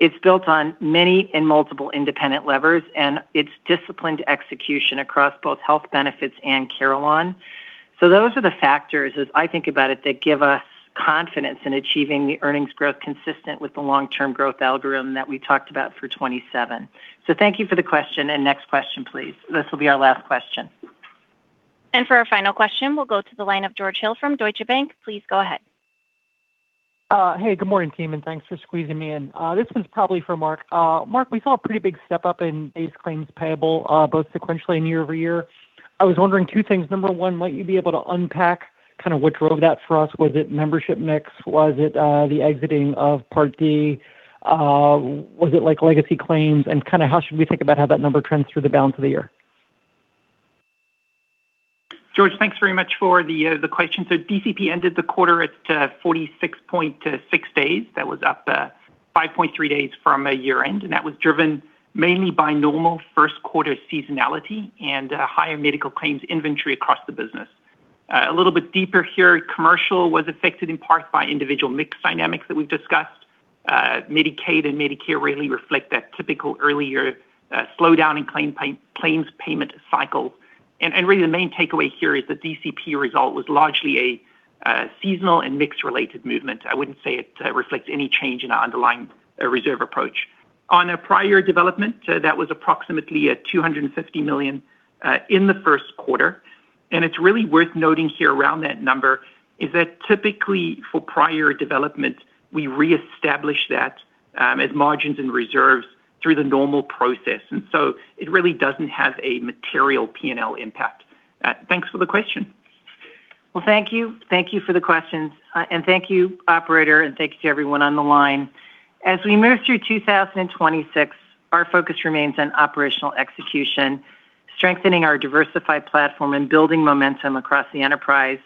It's built on many and multiple independent levers, and it's disciplined execution across both health benefits and Carelon. Those are the factors, as I think about it, that give us confidence in achieving the earnings growth consistent with the long-term growth algorithm that we talked about for 2027. Thank you for the question. Next question, please. This will be our last question. For our final question, we'll go to the line of George Hill from Deutsche Bank. Please go ahead. Hey, good morning, team, and thanks for squeezing me in. This one's probably for Mark. Mark, we saw a pretty big step-up in base claims payable, both sequentially and year-over-year. I was wondering two things. Number one, might you be able to unpack kind of which drove that for us? Was it membership mix? Was it the exiting of Part D? Was it legacy claims? And how should we think about how that number trends through the balance of the year? George, thanks very much for the question. DCP ended the quarter at 46.6 days. That was up 5.3 days from a year-end, and that was driven mainly by normal first quarter seasonality and higher medical claims inventory across the business. A little bit deeper here, commercial was affected in part by individual mix dynamics that we've discussed. Medicaid and Medicare really reflect that typical earlier slowdown in claims payment cycle. Really the main takeaway here is the DCP result was largely a seasonal and mix-related movement. I wouldn't say it reflects any change in our underlying reserve approach. On a prior development, that was approximately at $250 million in the first quarter. It's really worth noting here around that number is that typically for prior development, we reestablish that as margins and reserves through the normal process. It really doesn't have a material P&L impact. Thanks for the question. Well, thank you. Thank you for the questions. Thank you, operator, and thanks to everyone on the line. As we move through 2026, our focus remains on operational execution, strengthening our diversified platform, and building momentum across the enterprise.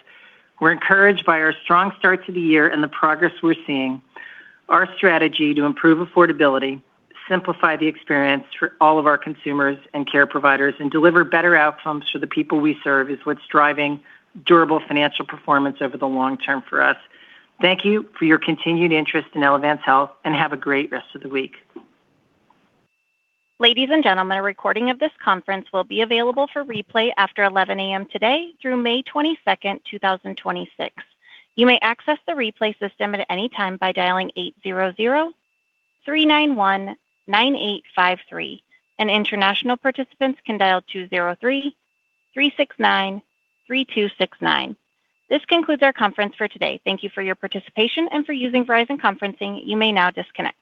We're encouraged by our strong start to the year and the progress we're seeing. Our strategy to improve affordability, simplify the experience for all of our consumers and care providers, and deliver better outcomes for the people we serve is what's driving durable financial performance over the long term for us. Thank you for your continued interest in Elevance Health, and have a great rest of the week. Ladies and gentlemen, a recording of this conference will be available for replay after 11:00 A.M. today through May 22nd, 2026. You may access the replay system at any time by dialing 800-391-9853, and international participants can dial 203-369-3269. This concludes our conference for today. Thank you for your participation and for using Verizon Conferencing. You may now disconnect.